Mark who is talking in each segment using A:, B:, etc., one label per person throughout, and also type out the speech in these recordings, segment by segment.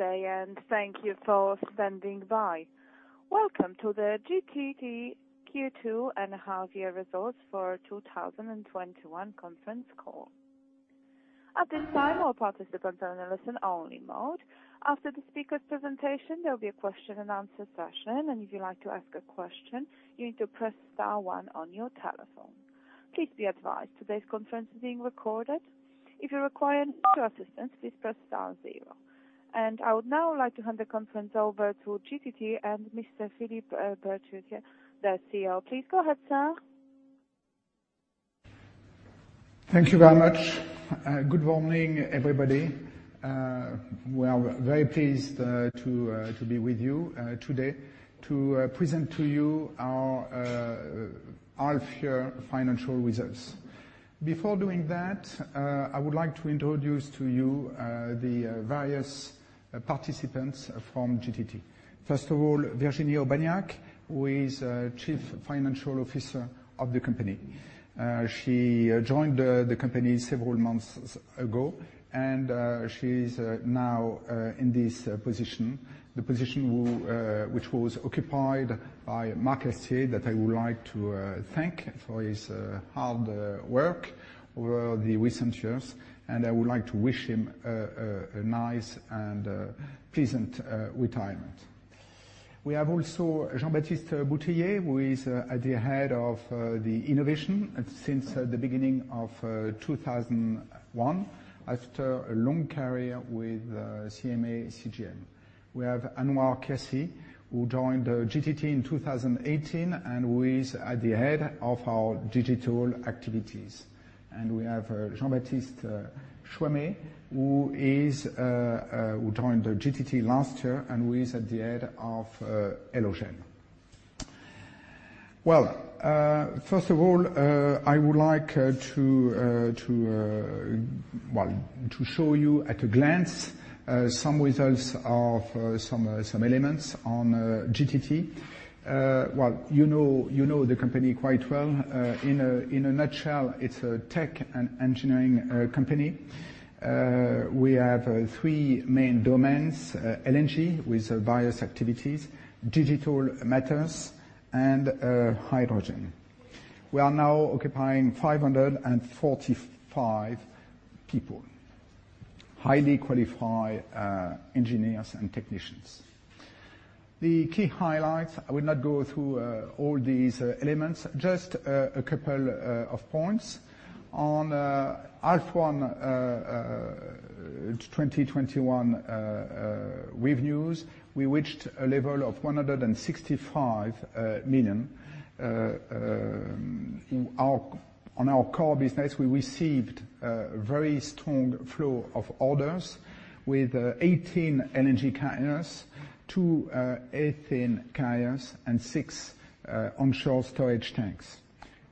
A: Good day, and thank you for standing by. Welcome to the GTT Q2 and half-year results for 2021 conference call. At this time, all participants are in a listen-only mode. After the speaker's presentation, there will be a question-and-answer session, and if you'd like to ask a question, you need to press star one on your telephone. Please be advised today's conference is being recorded. If you require any further assistance, please press star zero. And I would now like to hand the conference over to GTT and Mr. Philippe Berterottière, their CEO. Please go ahead, sir.
B: Thank you very much. Good morning, everybody. We are very pleased to be with you today to present to you our half-year financial results. Before doing that, I would like to introduce to you the various participants from GTT. First of all, Virginie Aubagnac, who is Chief Financial Officer of the company. She joined the company several months ago, and she is now in this position, the position which was occupied by Marc Haestier, that I would like to thank for his hard work over the recent years, and I would like to wish him a nice and pleasant retirement. We have also Jean-Baptiste Boutillier, who is at the head of the innovation since the beginning of 2021 after a long career with CMA CGM. We have Anouar Kiassi, who joined GTT in 2018 and who is at the head of our digital activities. We have Jean-Baptiste Choimet, who joined GTT last year and who is at the head of Elogen. First of all, I would like to show you at a glance some results of some elements on GTT. You know the company quite well. In a nutshell, it's a tech and engineering company. We have three main domains: LNG with various activities, digital matters, and hydrogen. We are now occupying 545 people, highly qualified engineers and technicians. The key highlights: I will not go through all these elements, just a couple of points. On half-year 2021 revenues, we reached a level of 165 million EUR. On our core business, we received a very strong flow of orders with 18 LNG carriers, two ethane carriers, and six onshore storage tanks.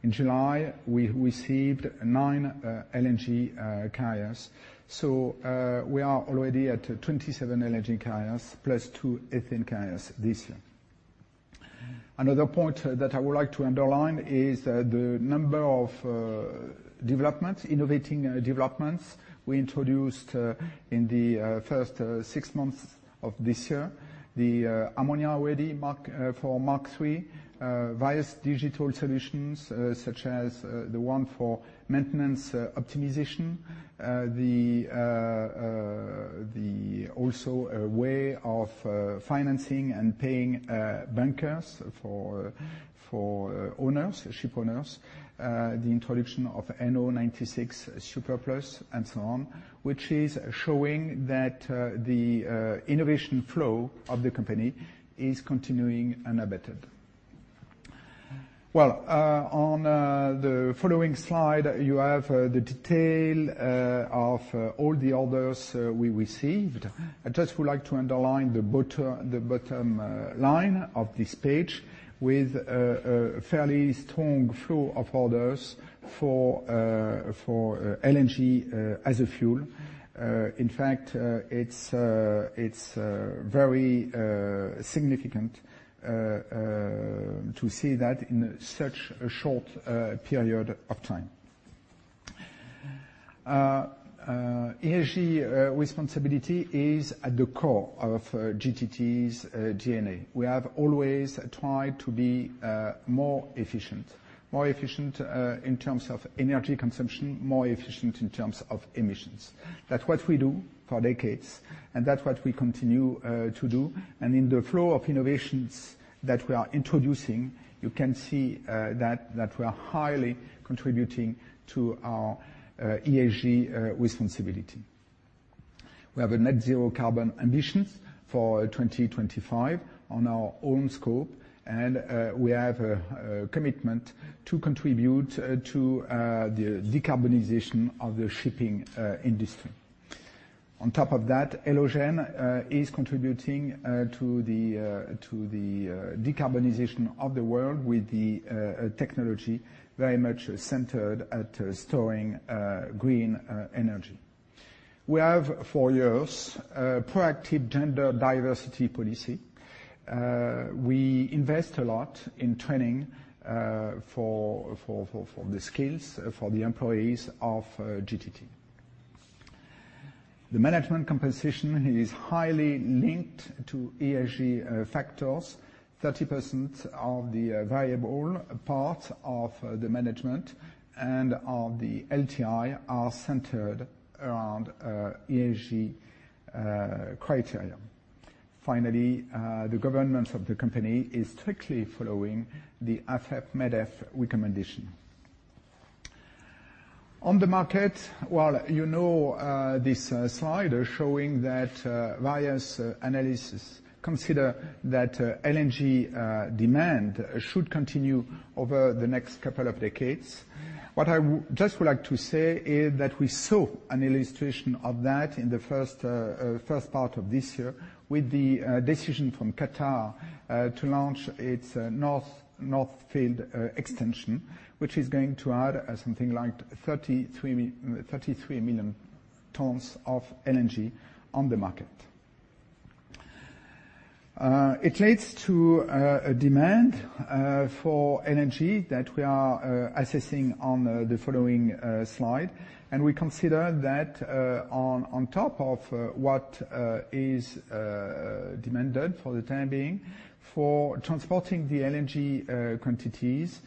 B: In July, we received nine LNG carriers. We are already at 27 LNG carriers plus two ethane carriers this year. Another point that I would like to underline is the number of developments, innovating developments we introduced in the first six months of this year. The Ammonia-ready Mark III, various digital solutions such as the one for maintenance optimization, also a way of financing and paying bunkers for owners, ship owners, the introduction of NO96 Super+, and so on, which is showing that the innovation flow of the company is continuing unabated. On the following slide, you have the detail of all the orders we received. I just would like to underline the bottom line of this page with a fairly strong flow of orders for LNG as fuel. In fact, it's very significant to see that in such a short period of time. Energy responsibility is at the core of GTT's DNA. We have always tried to be more efficient, more efficient in terms of energy consumption, more efficient in terms of emissions. That's what we do for decades, and that's what we continue to do. And in the flow of innovations that we are introducing, you can see that we are highly contributing to our ESG responsibility. We have a net zero carbon ambition for 2025 on our own scope, and we have a commitment to contribute to the decarbonization of the shipping industry. On top of that, Elogen is contributing to the decarbonization of the world with the technology very much centered at storing green energy. We have for years proactive gender diversity policy. We invest a lot in training for the skills for the employees of GTT. The management compensation is highly linked to ESG factors. 30% of the variable parts of the management and of the LTI are centered around ESG criteria. Finally, the governance of the company is strictly following the AFEP-MEDEF recommendation. On the market, well, you know this slide showing that various analyses consider that LNG demand should continue over the next couple of decades. What I just would like to say is that we saw an illustration of that in the first part of this year with the decision from Qatar to launch its North Field Extension, which is going to add something like 33 million tons of LNG on the market. It leads to a demand for LNG that we are assessing on the following slide. We consider that on top of what is demanded for the time being for transporting the LNG quantities,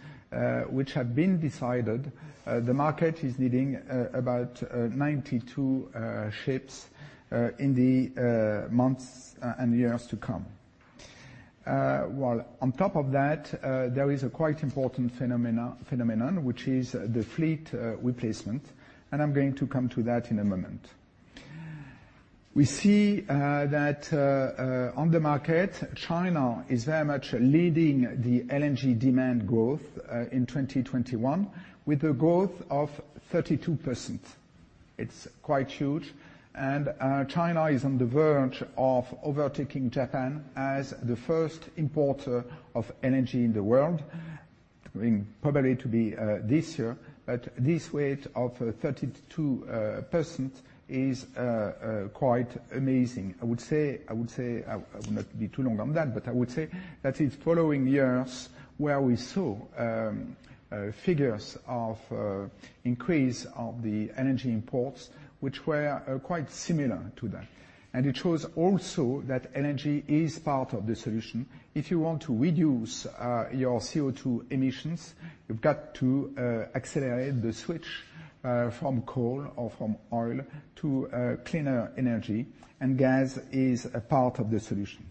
B: which have been decided, the market is needing about 92 ships in the months and years to come. On top of that, there is a quite important phenomenon, which is the fleet replacement, and I'm going to come to that in a moment. We see that on the market, China is very much leading the LNG demand growth in 2021 with a growth of 32%. It's quite huge, and China is on the verge of overtaking Japan as the first importer of LNG in the world, probably to be this year. This rate of 32% is quite amazing. I would say, I would say I will not be too long on that, but I would say that it's following years where we saw figures of increase of the energy imports, which were quite similar to that, and it shows also that energy is part of the solution. If you want to reduce your CO2 emissions, you've got to accelerate the switch from coal or from oil to cleaner energy, and gas is a part of the solution,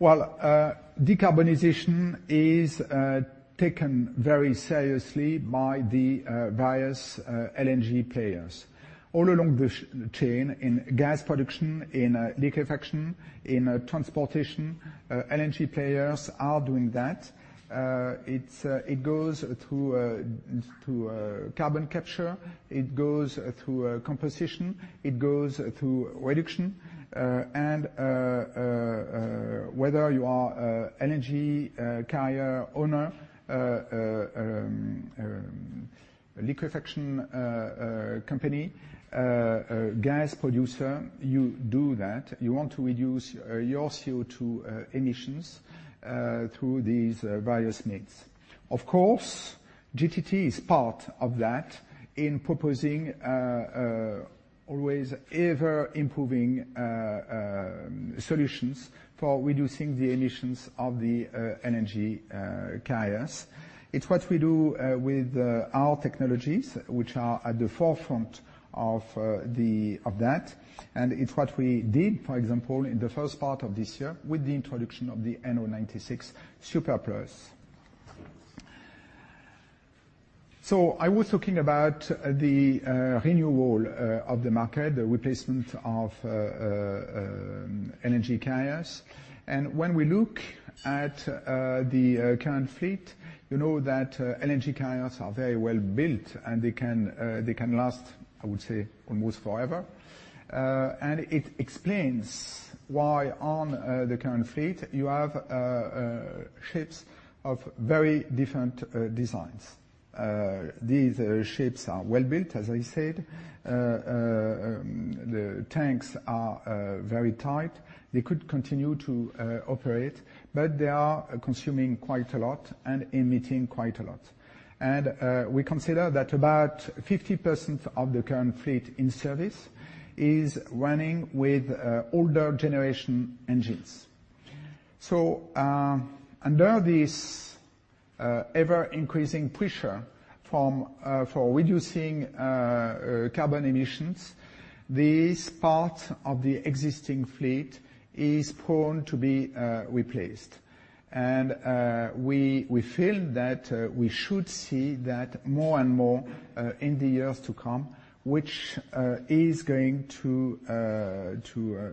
B: well, decarbonization is taken very seriously by the various LNG players. All along the chain in gas production, in liquefaction, in transportation, LNG players are doing that. It goes through carbon capture, it goes through composition, it goes through reduction, and whether you are an energy carrier owner, liquefaction company, gas producer, you do that. You want to reduce your CO2 emissions through these various means. Of course, GTT is part of that in proposing always ever-improving solutions for reducing the emissions of the LNG carriers. It's what we do with our technologies, which are at the forefront of that, and it's what we did, for example, in the first part of this year with the introduction of the NO96 Super+. So I was talking about the renewal of the market, the replacement of LNG carriers, and when we look at the current fleet, you know that LNG carriers are very well built, and they can last, I would say, almost forever, and it explains why on the current fleet you have ships of very different designs. These ships are well built, as I said. The tanks are very tight. They could continue to operate, but they are consuming quite a lot and emitting quite a lot. And we consider that about 50% of the current fleet in service is running with older generation engines. So under this ever-increasing pressure for reducing carbon emissions, this part of the existing fleet is prone to be replaced. And we feel that we should see that more and more in the years to come, which is going to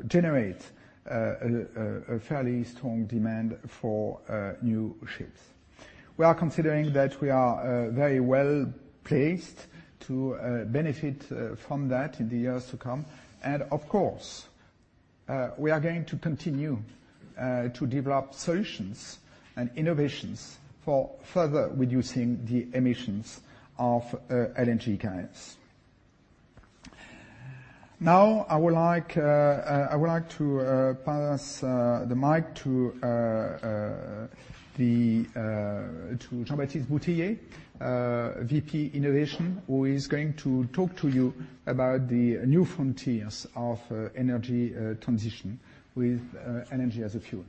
B: generate a fairly strong demand for new ships. We are considering that we are very well placed to benefit from that in the years to come. And of course, we are going to continue to develop solutions and innovations for further reducing the emissions of LNG carriers. Now, I would like to pass the mic to Jean-Baptiste Boutillier, VP Innovation, who is going to talk to you about the new frontiers of energy transition with LNG as a fuel.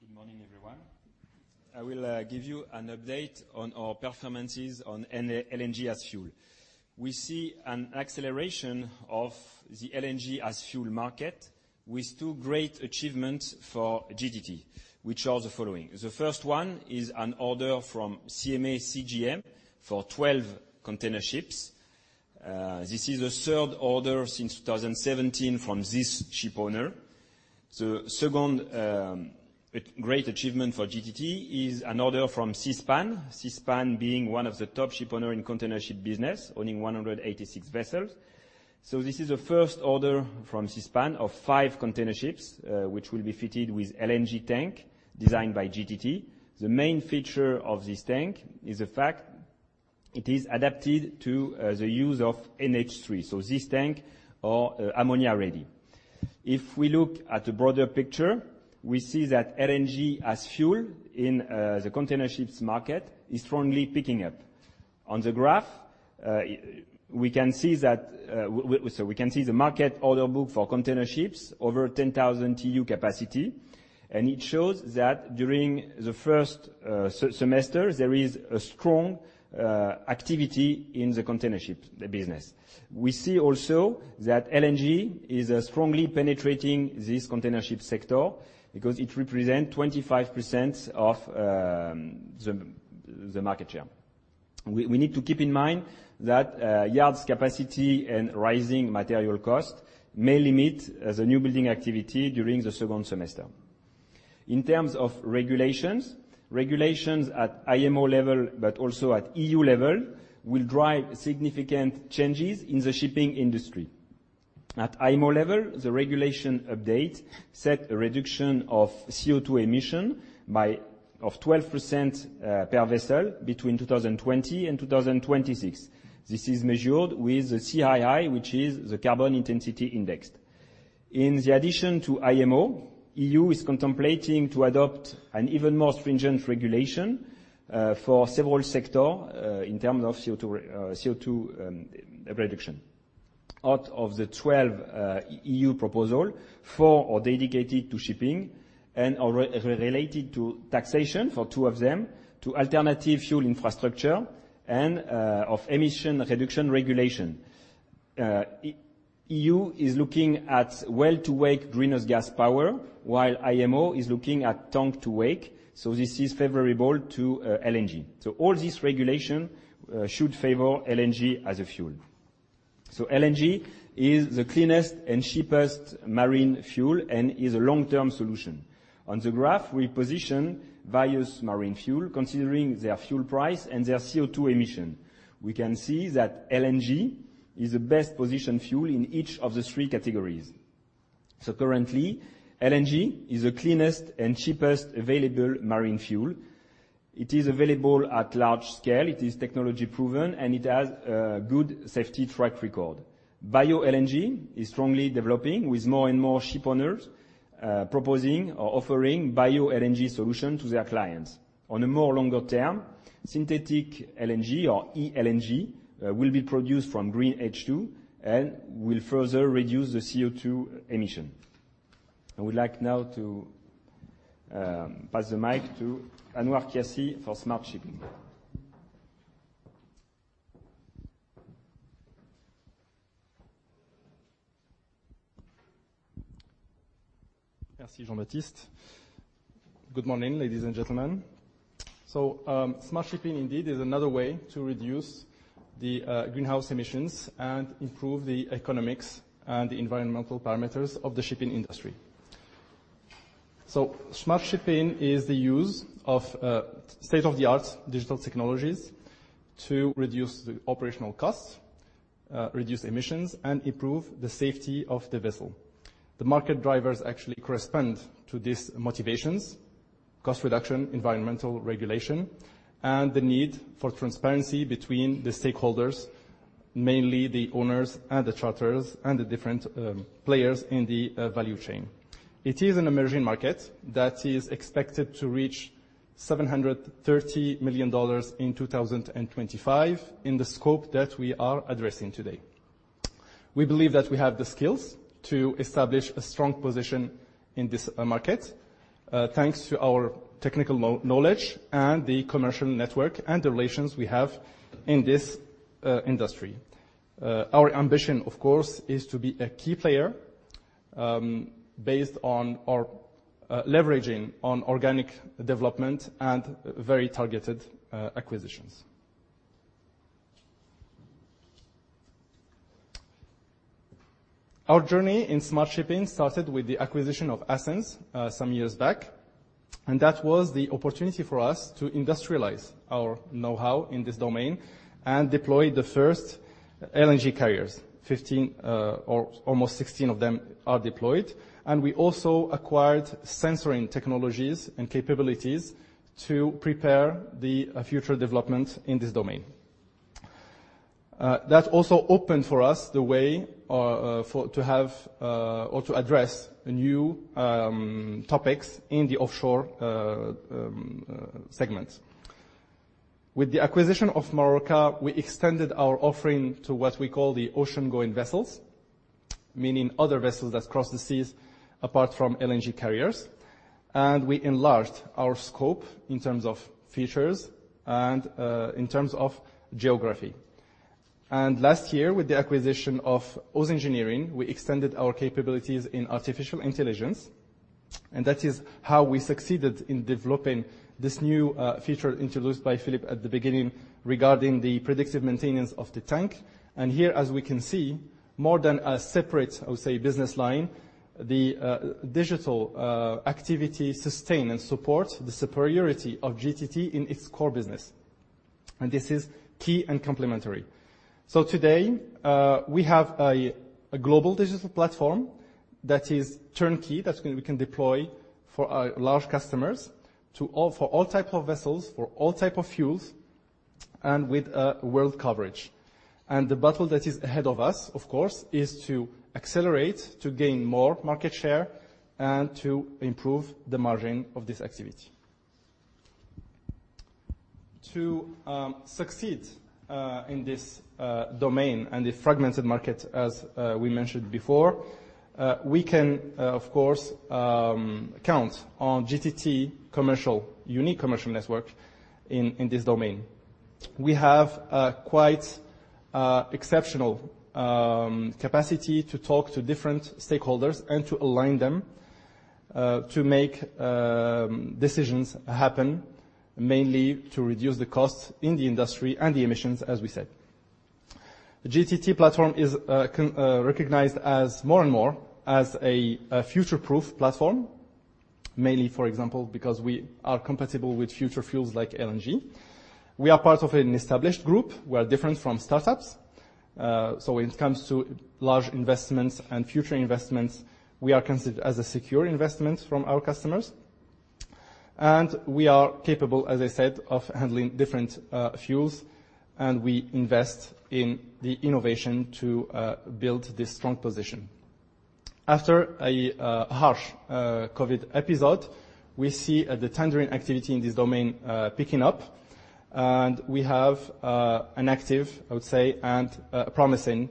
C: Good morning, everyone. I will give you an update on our performances on LNG as fuel. We see an acceleration of the LNG as fuel market with two great achievements for GTT, which are the following. The first one is an order from CMA CGM for 12 container ships. This is the third order since 2017 from this ship owner. The second great achievement for GTT is an order from Seaspan, Seaspan being one of the top ship owners in container ship business, owning 186 vessels. So this is the first order from Seaspan of five container ships, which will be fitted with LNG tank designed by GTT. The main feature of this tank is the fact it is adapted to the use of NH3. So this tank is ammonia-ready. If we look at a broader picture, we see that LNG as fuel in the container ships market is strongly picking up. On the graph, we can see the market order book for container ships over 10,000 TEU capacity. It shows that during the first semester, there is a strong activity in the container ship business. We see also that LNG is strongly penetrating this container ship sector because it represents 25% of the market share. We need to keep in mind that yard capacity and rising material costs may limit the new building activity during the second semester. In terms of regulations, regulations at IMO level, but also at EU level, will drive significant changes in the shipping industry. At IMO level, the regulation update set a reduction of CO2 emission by 12% per vessel between 2020 and 2026. This is measured with the CII, which is the carbon intensity index. In addition to IMO, EU is contemplating to adopt an even more stringent regulation for several sectors in terms of CO2 reduction. Out of the twelve EU proposals, four are dedicated to shipping and are related to taxation for two of them to alternative fuel infrastructure and of emission reduction regulation. EU is looking at well-to-wake greenhouse gas power, while IMO is looking at tank-to-wake, so this is favorable to LNG, so all this regulation should favor LNG as a fuel, so LNG is the cleanest and cheapest marine fuel and is a long-term solution. On the graph, we position various marine fuels considering their fuel price and their CO2 emission. We can see that LNG is the best positioned fuel in each of the three categories. So currently, LNG is the cleanest and cheapest available marine fuel. It is available at large scale. It is technology proven, and it has a good safety track record. Bio-LNG is strongly developing with more and more ship owners proposing or offering bio-LNG solutions to their clients. On a more longer term, synthetic LNG or e-LNG will be produced from green H2 and will further reduce the CO2 emission. I would like now to pass the mic to Anouar Kiassi for Smart Shipping.
D: Merci, Jean-Baptiste. Good morning, ladies and gentlemen. So Smart Shipping, indeed, is another way to reduce the greenhouse emissions and improve the economics and environmental parameters of the shipping industry. So Smart Shipping is the use of state-of-the-art digital technologies to reduce the operational costs, reduce emissions, and improve the safety of the vessel. The market drivers actually correspond to these motivations: cost reduction, environmental regulation, and the need for transparency between the stakeholders, mainly the owners and the charters and the different players in the value chain. It is an emerging market that is expected to reach $730 million in 2025 in the scope that we are addressing today. We believe that we have the skills to establish a strong position in this market thanks to our technical knowledge and the commercial network and the relations we have in this industry. Our ambition, of course, is to be a key player based on leveraging on organic development and very targeted acquisitions. Our journey in Smart Shipping started with the acquisition of Ascenz some years back, and that was the opportunity for us to industrialize our know-how in this domain and deploy the first LNG carriers. 15 or almost 16 of them are deployed. And we also acquired sensor technologies and capabilities to prepare the future developments in this domain. That also opened for us the way to have or to address new topics in the offshore segment. With the acquisition of Marorka, we extended our offering to what we call the ocean-going vessels, meaning other vessels that cross the seas apart from LNG carriers. And we enlarged our scope in terms of features and in terms of geography. Last year, with the acquisition of OSE Engineering, we extended our capabilities in artificial intelligence. That is how we succeeded in developing this new feature introduced by Philippe at the beginning regarding the predictive maintenance of the tank. Here, as we can see, more than a separate, I would say, business line, the digital activity sustains and supports the superiority of GTT in its core business. This is key and complementary. Today, we have a global digital platform that is turnkey that we can deploy for our large customers for all types of vessels, for all types of fuels, and with world coverage. The battle that is ahead of us, of course, is to accelerate, to gain more market share, and to improve the margin of this activity. To succeed in this domain and this fragmented market, as we mentioned before, we can, of course, count on GTT unique commercial network in this domain. We have quite exceptional capacity to talk to different stakeholders and to align them to make decisions happen, mainly to reduce the costs in the industry and the emissions, as we said. The GTT platform is recognized more and more as a future-proof platform, mainly, for example, because we are compatible with future fuels like LNG. We are part of an established group. We are different from startups. So when it comes to large investments and future investments, we are considered as a secure investment from our customers, and we are capable, as I said, of handling different fuels, and we invest in the innovation to build this strong position. After a harsh COVID episode, we see the tendering activity in this domain picking up, and we have an active, I would say, and promising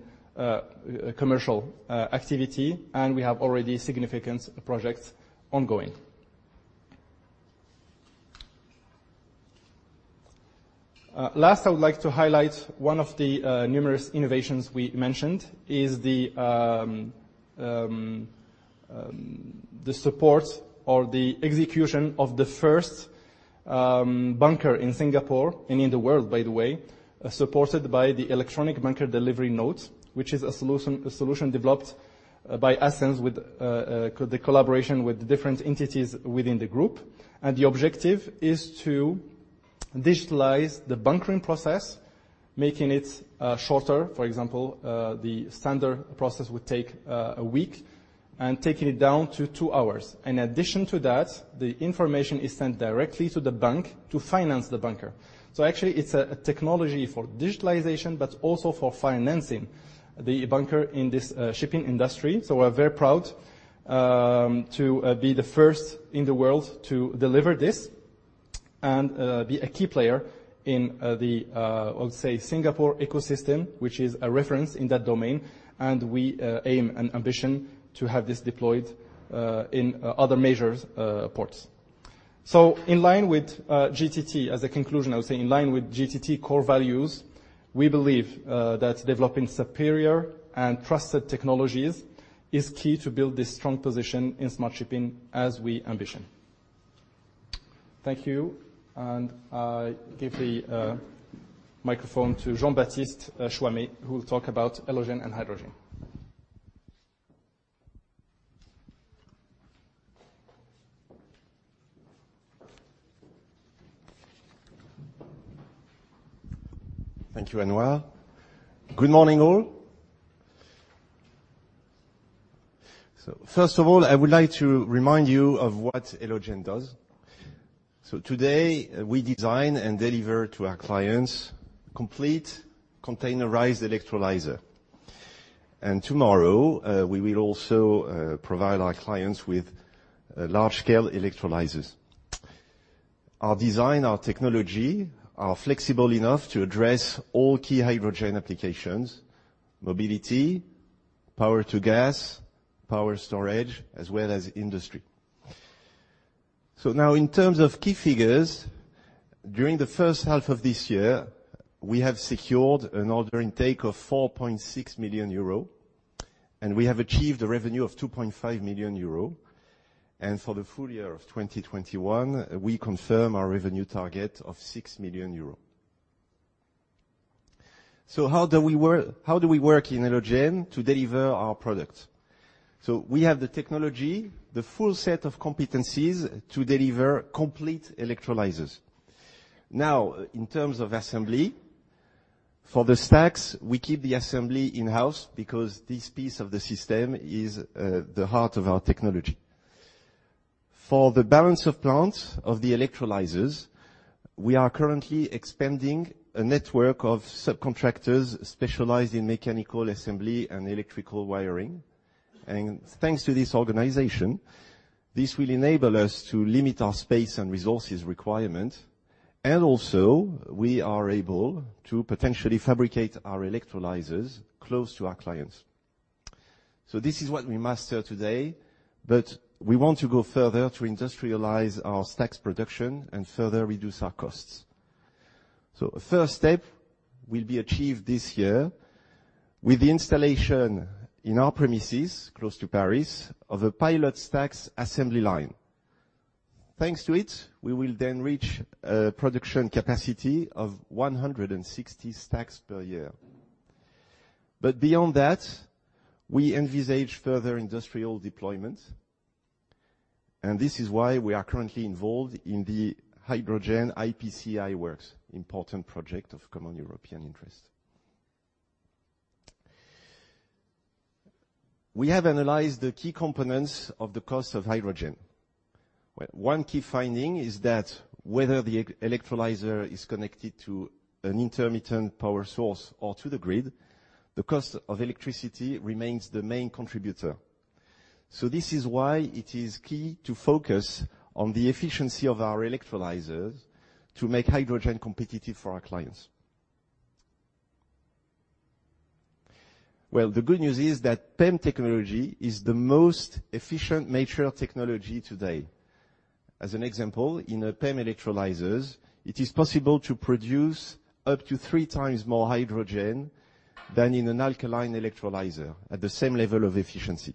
D: commercial activity, and we have already significant projects ongoing. Last, I would like to highlight one of the numerous innovations we mentioned is the support or the execution of the first bunker in Singapore, and in the world, by the way, supported by the electronic bunker delivery notes, which is a solution developed by Ascenz with the collaboration with different entities within the group. And the objective is to digitize the bunkering process, making it shorter. For example, the standard process would take a week and taking it down to two hours. In addition to that, the information is sent directly to the bank to finance the bunker. So actually, it's a technology for digitization, but also for financing the bunker in this shipping industry. We're very proud to be the first in the world to deliver this and be a key player in the, I would say, Singapore ecosystem, which is a reference in that domain. We aim and ambition to have this deployed in other major ports. In line with GTT, as a conclusion, I would say in line with GTT core values, we believe that developing superior and trusted technologies is key to build this strong position in Smart Shipping as we ambition. Thank you. I give the microphone to Jean-Baptiste Choimet, who will talk about Elogen and hydrogen.
E: Thank you, Anouar. Good morning, all. So first of all, I would like to remind you of what Elogen does. So today, we design and deliver to our clients complete containerized electrolyzer. And tomorrow, we will also provide our clients with large-scale electrolyzers. Our design, our technology are flexible enough to address all key hydrogen applications: mobility, power-to-gas, power storage, as well as industry. So now, in terms of key figures, during the first half of this year, we have secured an order intake of 4.6 million euro, and we have achieved a revenue of 2.5 million euro. And for the full year of 2021, we confirm our revenue target of 6 million euros. So how do we work in Elogen to deliver our product? So we have the technology, the full set of competencies to deliver complete electrolyzers. Now, in terms of assembly, for the stacks, we keep the assembly in-house because this piece of the system is the heart of our technology. For the balance of plants of the electrolyzers, we are currently expanding a network of subcontractors specialized in mechanical assembly and electrical wiring, and thanks to this organization, this will enable us to limit our space and resources requirements, and also, we are able to potentially fabricate our electrolyzers close to our clients, so this is what we master today, but we want to go further to industrialize our stacks production and further reduce our costs, so a first step will be achieved this year with the installation in our premises close to Paris of a pilot stacks assembly line. Thanks to it, we will then reach a production capacity of 160 stacks per year, but beyond that, we envisage further industrial deployments. This is why we are currently involved in the hydrogen IPCEI works, important project of common European interest. We have analyzed the key components of the cost of hydrogen. One key finding is that whether the electrolyzer is connected to an intermittent power source or to the grid, the cost of electricity remains the main contributor. This is why it is key to focus on the efficiency of our electrolyzers to make hydrogen competitive for our clients. The good news is that PEM technology is the most efficient mature technology today. As an example, in PEM electrolyzers, it is possible to produce up to three times more hydrogen than in an alkaline electrolyzer at the same level of efficiency.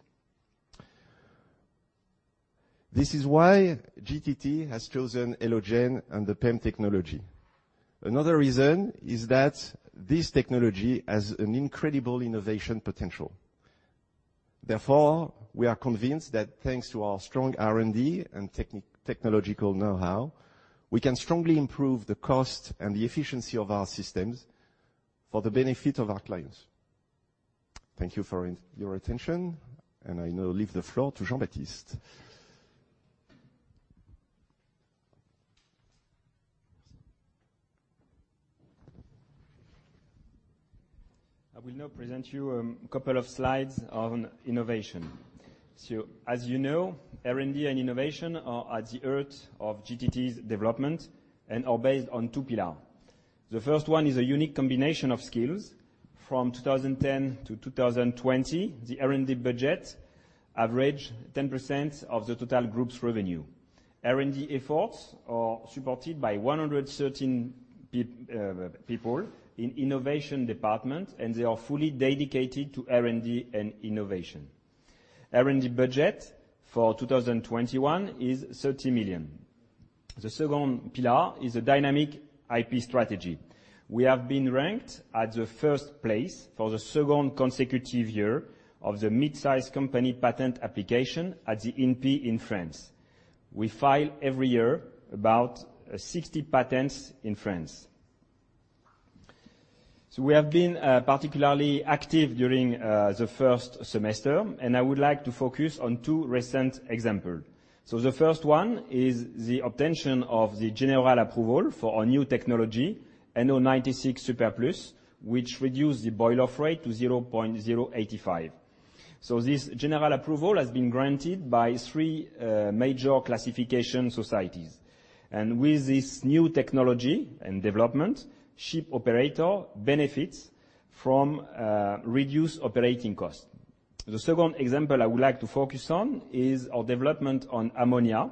E: This is why GTT has chosen Elogen and the PEM technology. Another reason is that this technology has an incredible innovation potential. Therefore, we are convinced that thanks to our strong R&D and technological know-how, we can strongly improve the cost and the efficiency of our systems for the benefit of our clients. Thank you for your attention. And I now leave the floor to Jean-Baptiste.
C: I will now present you a couple of slides on innovation. So as you know, R&D and innovation are at the heart of GTT's development and are based on two pillars. The first one is a unique combination of skills. From 2010 to 2020, the R&D budget averaged 10% of the total group's revenue. R&D efforts are supported by 113 people in the innovation department, and they are fully dedicated to R&D and innovation. R&D budget for 2021 is 30 million. The second pillar is a dynamic IP strategy. We have been ranked at the first place for the second consecutive year of the mid-size company patent application at the INPI in France. We file every year about 60 patents in France. So we have been particularly active during the first semester, and I would like to focus on two recent examples. The first one is the obtaining of the general approval for a new technology, NO96 Super+, which reduced the boil-off rate to 0.085. This general approval has been granted by three major classification societies. With this new technology and development, ship operators benefit from reduced operating costs. The second example I would like to focus on is our development on ammonia.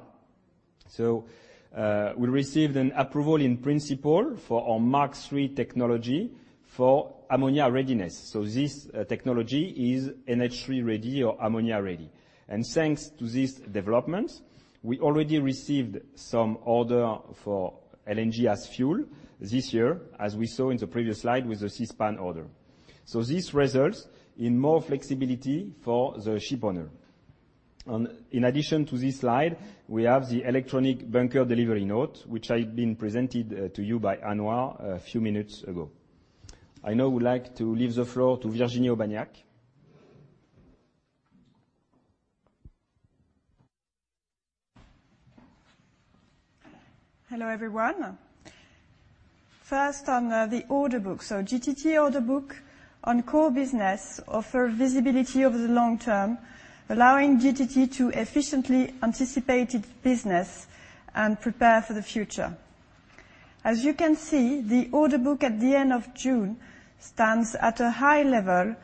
C: We received an approval in principle for our Mark III technology for ammonia readiness. This technology is NH3 ready or ammonia ready. Thanks to this development, we already received some orders for LNG as fuel this year, as we saw in the previous slide with the Seaspan order. This results in more flexibility for the ship owner. In addition to this slide, we have the electronic bunker delivery note, which has been presented to you by Anouar a few minutes ago. I now would like to leave the floor to Virginie Aubagnac.
F: Hello, everyone. First, on the order book. So GTT order book on core business offers visibility over the long term, allowing GTT to efficiently anticipate its business and prepare for the future. As you can see, the order book at the end of June stands at a high level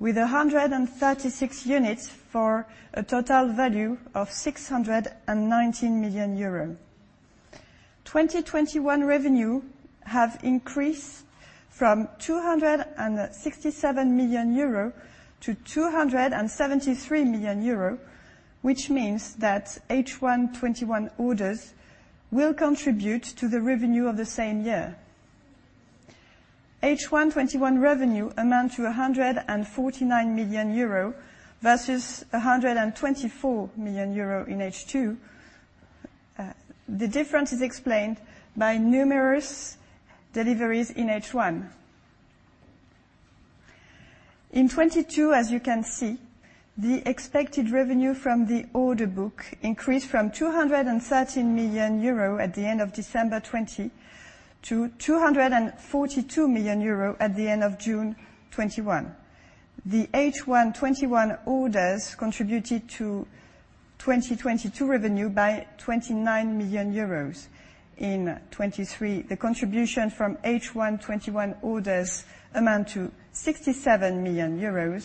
F: with 136 units for a total value of 619 million euros. 2021 revenues have increased from 267 million euro to 273 million euro, which means that H1 2021 orders will contribute to the revenue of the same year. H1 2021 revenues amount to 149 million euro versus 124 million euro in H2. The difference is explained by numerous deliveries in H1. In 2022, as you can see, the expected revenue from the order book increased from 213 million euro at the end of December 2020 to 242 million euro at the end of June 2021. The H1 2021 orders contributed to 2022 revenue by 29 million euros in 2023. The contribution from H1 2021 orders amounts to €67 million,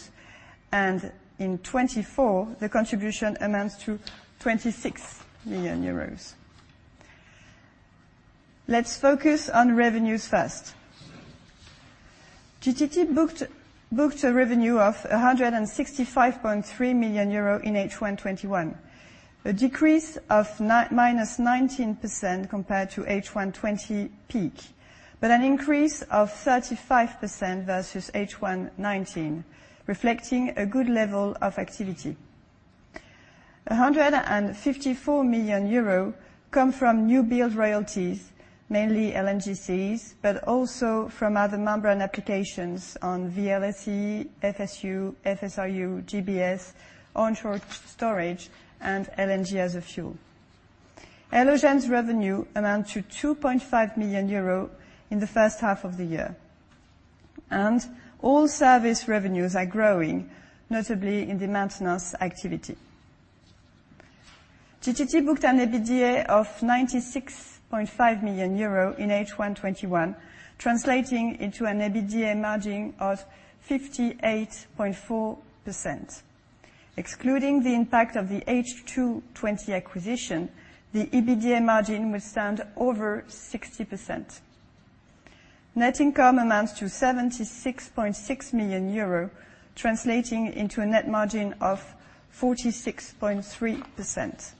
F: and in 2024, the contribution amounts to €26 million. Let's focus on revenues first. GTT booked a revenue of €165.3 million in H1 2021, a decrease of -19% compared to H1 2020 peak, but an increase of 35% versus H1 2019, reflecting a good level of activity. €154 million come from new-build royalties, mainly LNGCs, but also from other membrane applications on VLEC, FSU, FSRU, GBS, onshore storage, and LNG as a fuel. Elogen's revenue amounts to €2.5 million in the first half of the year. All service revenues are growing, notably in the maintenance activity. GTT booked an EBITDA of €96.5 million in H1 2021, translating into an EBITDA margin of 58.4%. Excluding the impact of the H2 2020 acquisition, the EBITDA margin would stand over 60%. Net income amounts to €76.6 million, translating into a net margin of 46.3%.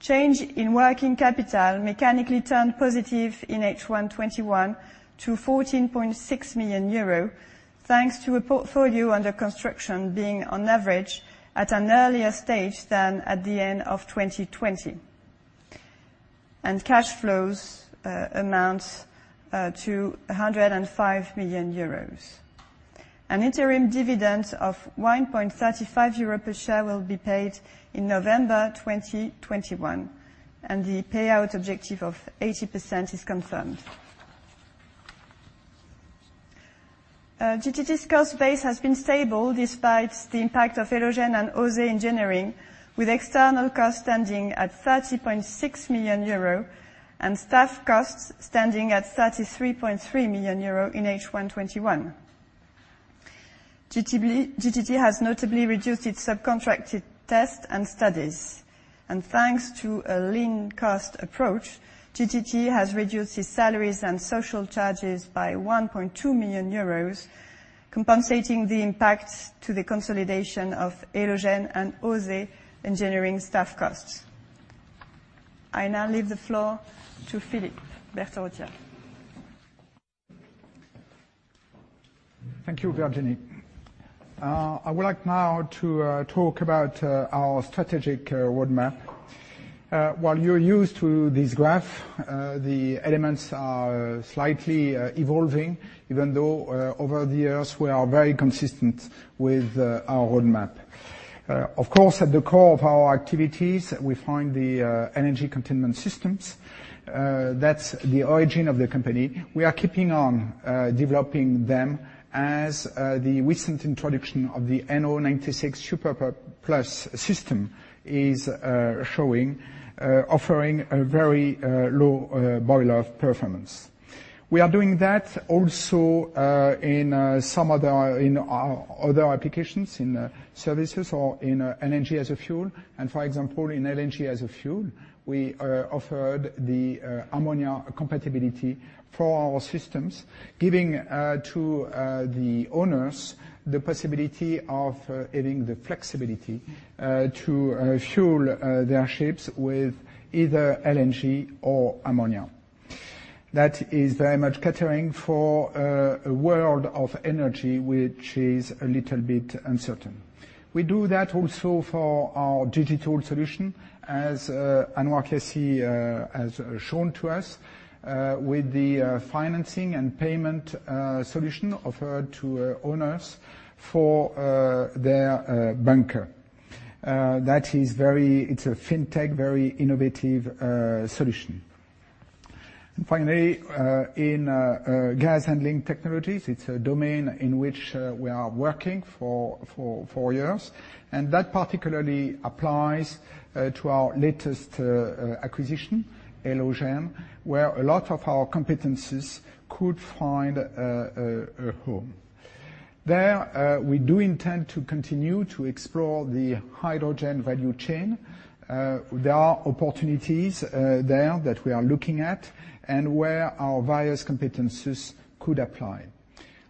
F: Change in working capital mechanically turned positive in H1 2021 to €14.6 million, thanks to a portfolio under construction being on average at an earlier stage than at the end of 2020. Cash flows amount to €105 million. An interim dividend of €1.35 per share will be paid in November 2021, and the payout objective of 80% is confirmed. GTT's cost base has been stable despite the impact of Elogen and OSE Engineering, with external costs standing at €30.6 million and staff costs standing at €33.3 million in H1 2021. GTT has notably reduced its subcontracted tests and studies. Thanks to a lean cost approach, GTT has reduced its salaries and social charges by €1.2 million, compensating the impact to the consolidation of Elogen and OSE Engineering staff costs. I now leave the floor to Philippe Berterottière.
B: Thank you, Virginie. I would like now to talk about our strategic roadmap. While you're used to this graph, the elements are slightly evolving, even though over the years, we are very consistent with our roadmap. Of course, at the core of our activities, we find the energy containment systems. That's the origin of the company. We are keeping on developing them as the recent introduction of the NO96 Super+ system is showing, offering a very low boil-off performance. We are doing that also in some other applications, in services or in LNG as a fuel. And for example, in LNG as a fuel, we offered the ammonia compatibility for our systems, giving to the owners the possibility of having the flexibility to fuel their ships with either LNG or ammonia. That is very much catering for a world of energy, which is a little bit uncertain. We do that also for our digital solution, as Anouar Kiassi has shown to us, with the financing and payment solution offered to owners for their bunker. That is very, it's a fintech, very innovative solution. And finally, in gas handling technologies, it's a domain in which we are working for years. And that particularly applies to our latest acquisition, Elogen, where a lot of our competencies could find a home. There, we do intend to continue to explore the hydrogen value chain. There are opportunities there that we are looking at and where our various competencies could apply.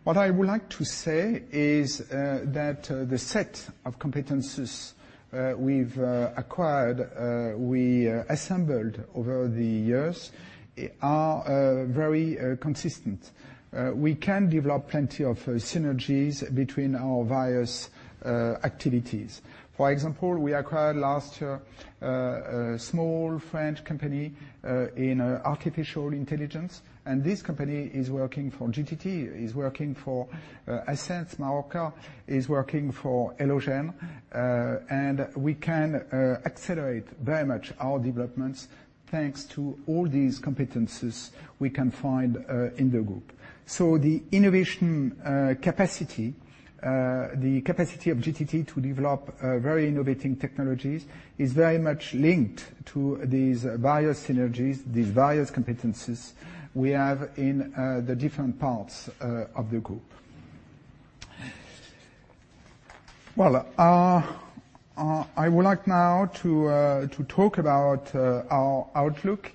B: What I would like to say is that the set of competencies we've acquired, we assembled over the years, are very consistent. We can develop plenty of synergies between our various activities. For example, we acquired last year a small French company in artificial intelligence. This company is working for GTT, is working for Ascenz, Marorka, is working for Elogen. We can accelerate very much our developments thanks to all these competencies we can find in the group. The innovation capacity, the capacity of GTT to develop very innovative technologies is very much linked to these various synergies, these various competencies we have in the different parts of the group. I would like now to talk about our outlook.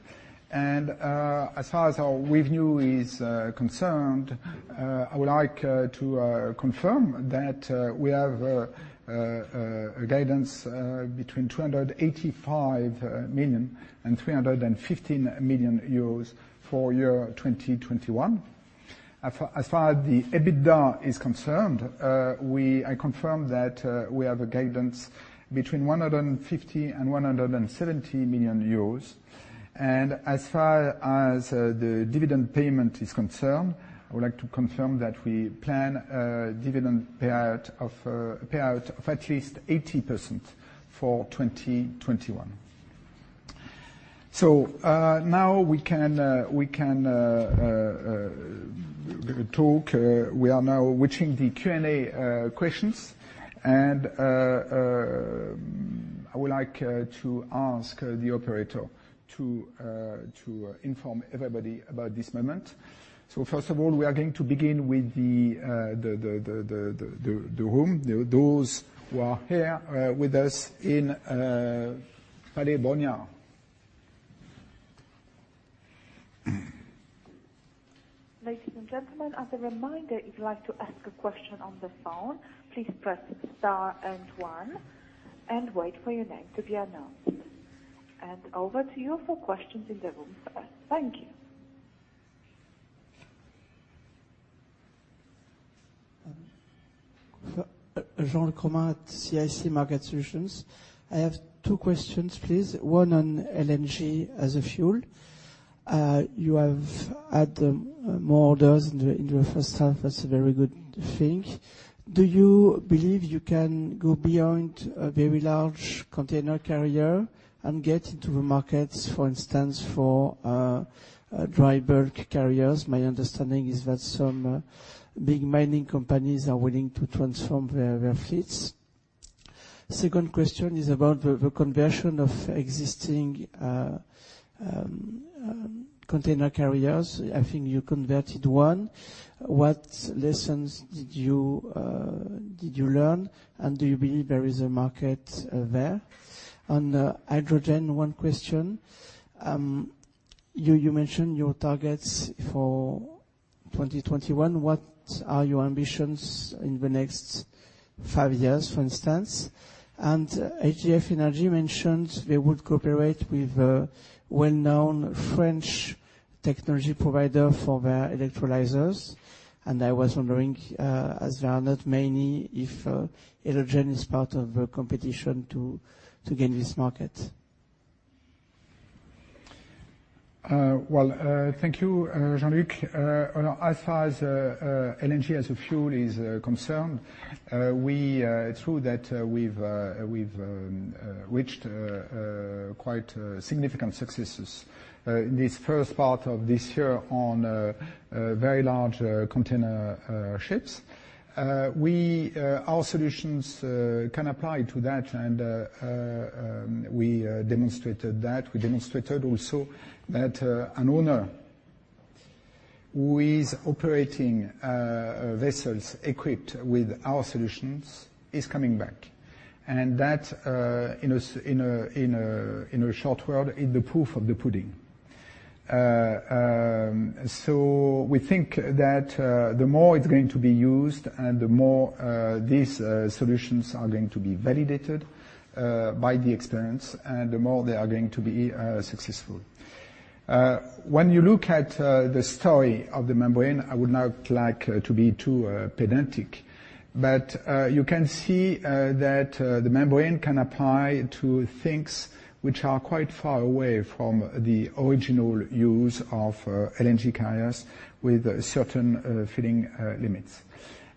B: As far as our revenue is concerned, I would like to confirm that we have a guidance between €285 million and €315 million for year 2021. As far as the EBITDA is concerned, I confirm that we have a guidance between €150 and €170 million. As far as the dividend payment is concerned, I would like to confirm that we plan a dividend payout of at least 80% for 2021. So now we can talk. We are now watching the Q&A questions. And I would like to ask the operator to inform everybody about this moment. So first of all, we are going to begin with the room, those who are here with us in Palais Brongniart.
A: Ladies and gentlemen, as a reminder, if you'd like to ask a question on the phone, please press star and one and wait for your name to be announced. Over to you for questions in the room first. Thank you.
G: Jean-Luc Romain, CIC Market Solutions. I have two questions, please. One on LNG as a fuel. You have had more orders in the first half; that's a very good thing. Do you believe you can go beyond a very large container carrier and get into the markets, for instance, for dry bulk carriers? My understanding is that some big mining companies are willing to transform their fleets. Second question is about the conversion of existing container carriers. I think you converted one. What lessons did you learn? And do you believe there is a market there? On hydrogen, one question. You mentioned your targets for 2021. What are your ambitions in the next five years, for instance? And HDF Energy mentioned they would cooperate with a well-known French technology provider for their electrolyzers. I was wondering, as there are not many, if Elogen is part of the competition to gain this market.
B: Well, thank you, Jean-Luc. As far as LNG as a fuel is concerned, it's true that we've reached quite significant successes in this first part of this year on very large container ships. Our solutions can apply to that, and we demonstrated that. We demonstrated also that an owner who is operating vessels equipped with our solutions is coming back. And that, in a short word, is the proof of the pudding. So we think that the more it's going to be used, the more these solutions are going to be validated by the experience, and the more they are going to be successful. When you look at the story of the membrane, I would not like to be too pedantic, but you can see that the membrane can apply to things which are quite far away from the original use of LNG carriers with certain filling limits.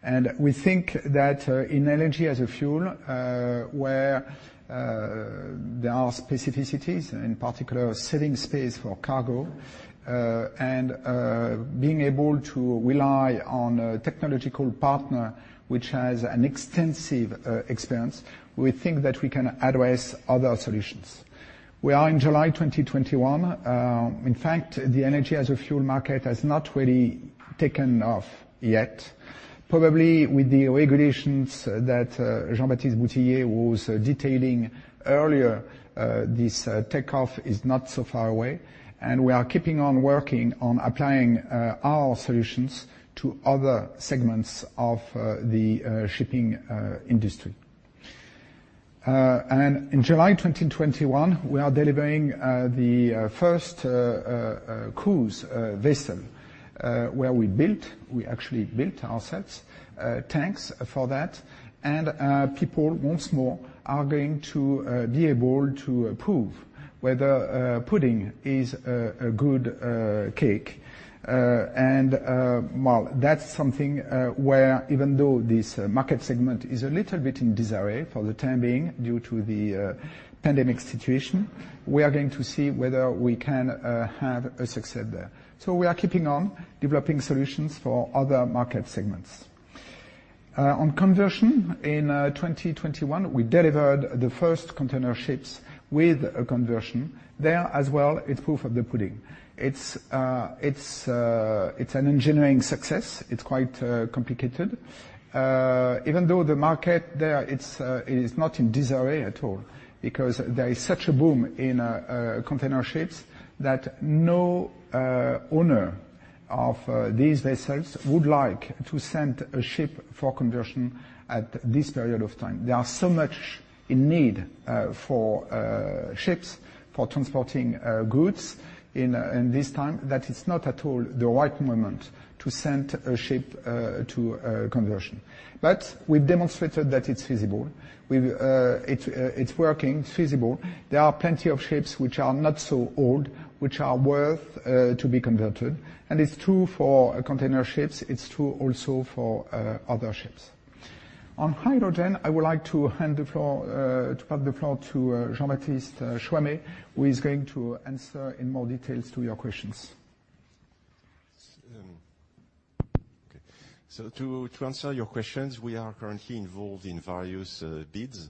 B: And we think that in LNG as a fuel, where there are specificities, in particular, selling space for cargo and being able to rely on a technological partner which has an extensive experience, we think that we can address other solutions. We are in July 2021. In fact, the LNG as a fuel market has not really taken off yet. Probably with the regulations that Jean-Baptiste Boutillier was detailing earlier, this takeoff is not so far away. And we are keeping on working on applying our solutions to other segments of the shipping industry. In July 2021, we are delivering the first cruise vessel where we built, we actually built ourselves, tanks for that. People, once more, are going to be able to prove whether pudding is a good cake. While that's something where, even though this market segment is a little bit in disarray for the time being due to the pandemic situation, we are going to see whether we can have a success there. We are keeping on developing solutions for other market segments. On conversion, in 2021, we delivered the first container ships with a conversion. There as well, it's proof of the pudding. It's an engineering success. It's quite complicated. Even though the market there, it's not in disarray at all because there is such a boom in container ships that no owner of these vessels would like to send a ship for conversion at this period of time. There are so much in need for ships for transporting goods in this time that it's not at all the right moment to send a ship to conversion. But we've demonstrated that it's feasible. It's working. It's feasible. There are plenty of ships which are not so old, which are worth to be converted. And it's true for container ships. It's true also for other ships. On hydrogen, I would like to hand the floor to Jean-Baptiste Choimet, who is going to answer in more details to your questions.
E: Okay. So to answer your questions, we are currently involved in various bids,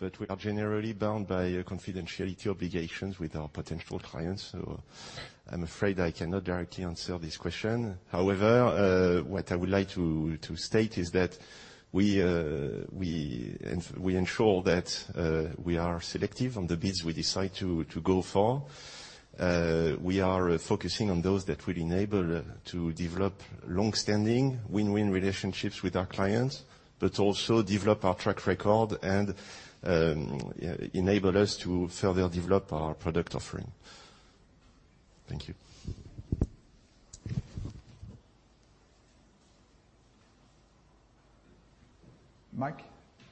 E: but we are generally bound by confidentiality obligations with our potential clients. So I'm afraid I cannot directly answer this question. However, what I would like to state is that we ensure that we are selective on the bids we decide to go for. We are focusing on those that will enable us to develop long-standing win-win relationships with our clients, but also develop our track record and enable us to further develop our product offering. Thank you.
B: Mike?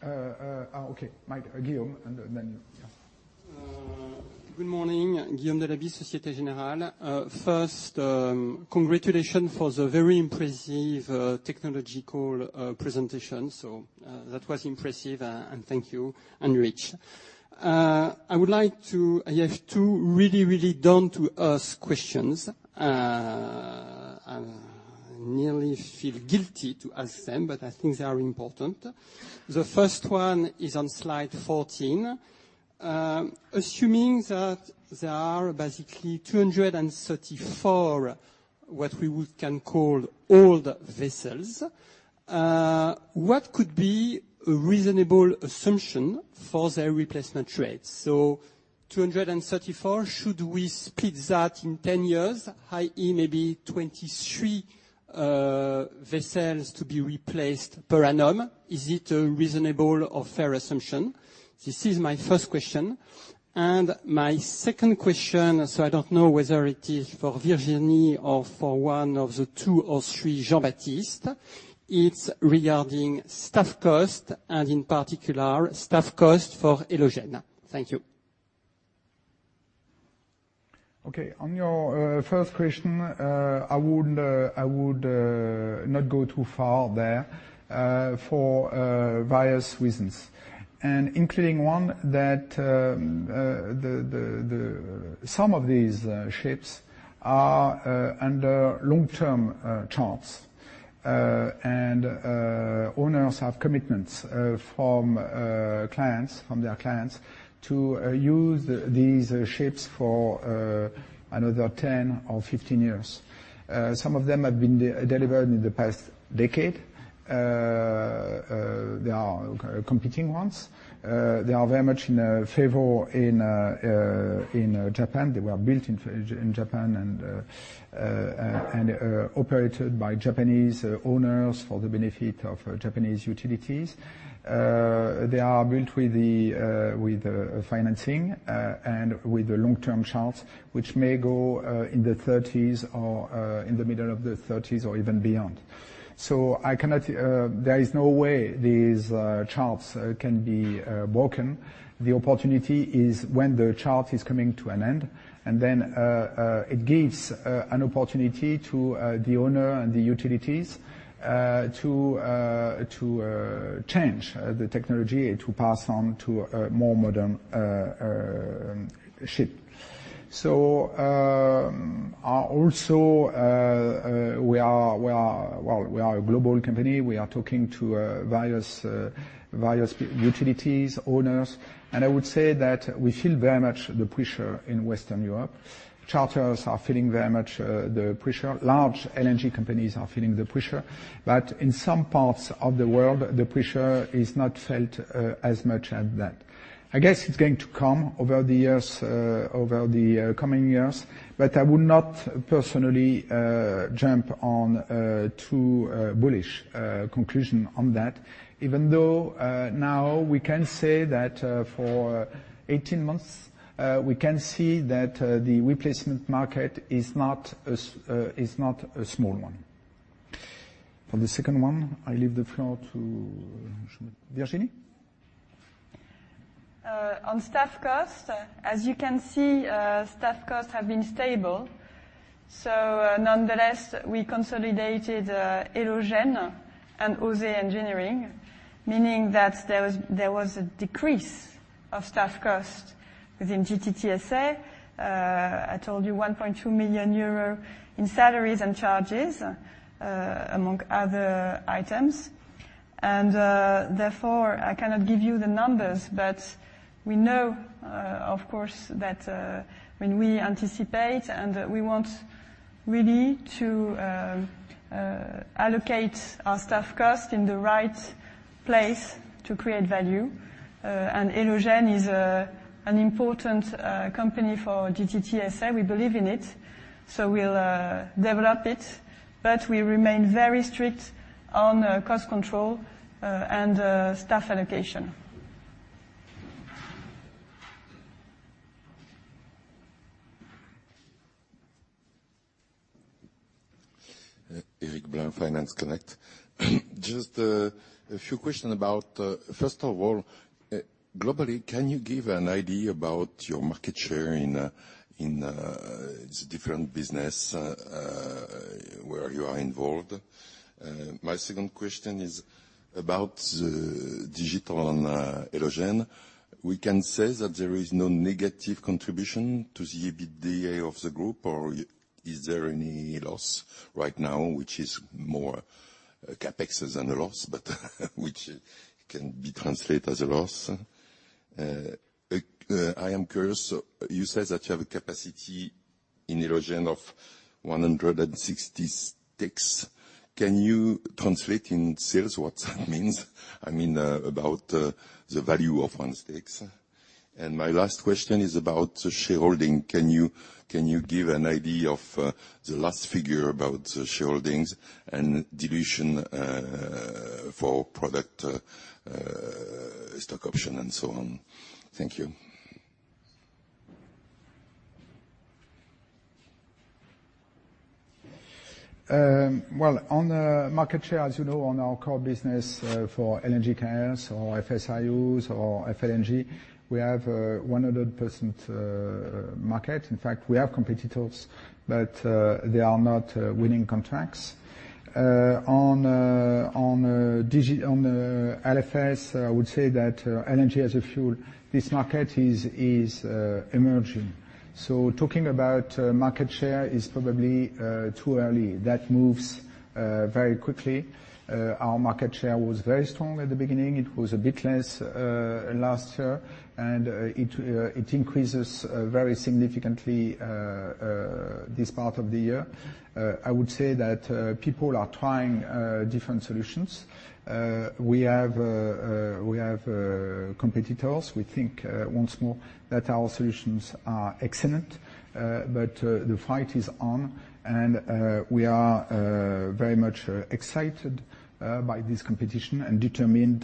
B: Okay. Mike, Guillaume, and then you.
H: Good morning. Guillaume Delaby, Société Générale. First, congratulations for the very impressive technological presentation. So that was impressive, and thank you, and rich. I would like to. I have two really, really down-to-earth questions. I nearly feel guilty to ask them, but I think they are important. The first one is on slide 14. Assuming that there are basically 234, what we can call old vessels, what could be a reasonable assumption for their replacement trade? So 234, should we split that in 10 years, i.e., maybe 23 vessels to be replaced per annum? Is it a reasonable or fair assumption? This is my first question. My second question, so I don't know whether it is for Virginie or for one of the two or three Jean-Baptiste, it's regarding staff cost, and in particular, staff cost for Elogen. Thank you.
B: Okay. On your first question, I would not go too far there for various reasons, including one that some of these ships are under long-term charters, and owners have commitments from clients, from their clients, to use these ships for another 10 or 15 years. Some of them have been delivered in the past decade. There are competing ones. They are very much in favor in Japan. They were built in Japan and operated by Japanese owners for the benefit of Japanese utilities. They are built with the financing and with the long-term charters, which may go in the 30s or in the middle of the 30s or even beyond, so there is no way these charters can be broken. The opportunity is when the charter is coming to an end, and then it gives an opportunity to the owner and the utilities to change the technology to pass on to a more modern ship. So also, we are a global company. We are talking to various utilities, owners. And I would say that we feel very much the pressure in Western Europe. Charters are feeling very much the pressure. Large LNG companies are feeling the pressure. But in some parts of the world, the pressure is not felt as much as that. I guess it's going to come over the coming years, but I would not personally jump on too bullish a conclusion on that, even though now we can say that for 18 months, we can see that the replacement market is not a small one. For the second one, I leave the floor to Virginie.
F: On staff cost, as you can see, staff costs have been stable, so nonetheless, we consolidated Elogen and OSE Engineering, meaning that there was a decrease of staff cost within GTT. I told you 1.2 million euro in salaries and charges, among other items, and therefore, I cannot give you the numbers, but we know, of course, that when we anticipate and we want really to allocate our staff cost in the right place to create value, and Elogen is an important company for GTT. We believe in it, so we'll develop it, but we remain very strict on cost control and staff allocation.
I: Eric Blanc, Finance Connect. Just a few questions about, first of all, globally, can you give an idea about your market share in the different businesses where you are involved? My second question is about digital and Elogen. We can say that there is no negative contribution to the EBITDA of the group, or is there any loss right now, which is more CapEx than a loss, but which can be translated as a loss? I am curious. You said that you have a capacity in Elogen of 160 stacks. Can you translate in sales what that means? I mean, about the value of one stack. And my last question is about shareholding. Can you give an idea of the last figure about shareholding and dilution for performance stock options and so on? Thank you.
B: On market share, as you know, on our core business for LNG carriers or FSRUs or FLNG, we have a 100% market. In fact, we have competitors, but they are not winning contracts. On LFS, I would say that LNG as a fuel, this market is emerging. So talking about market share is probably too early. That moves very quickly. Our market share was very strong at the beginning. It was a bit less last year, and it increases very significantly this part of the year. I would say that people are trying different solutions. We have competitors. We think once more that our solutions are excellent, but the fight is on, and we are very much excited by this competition and determined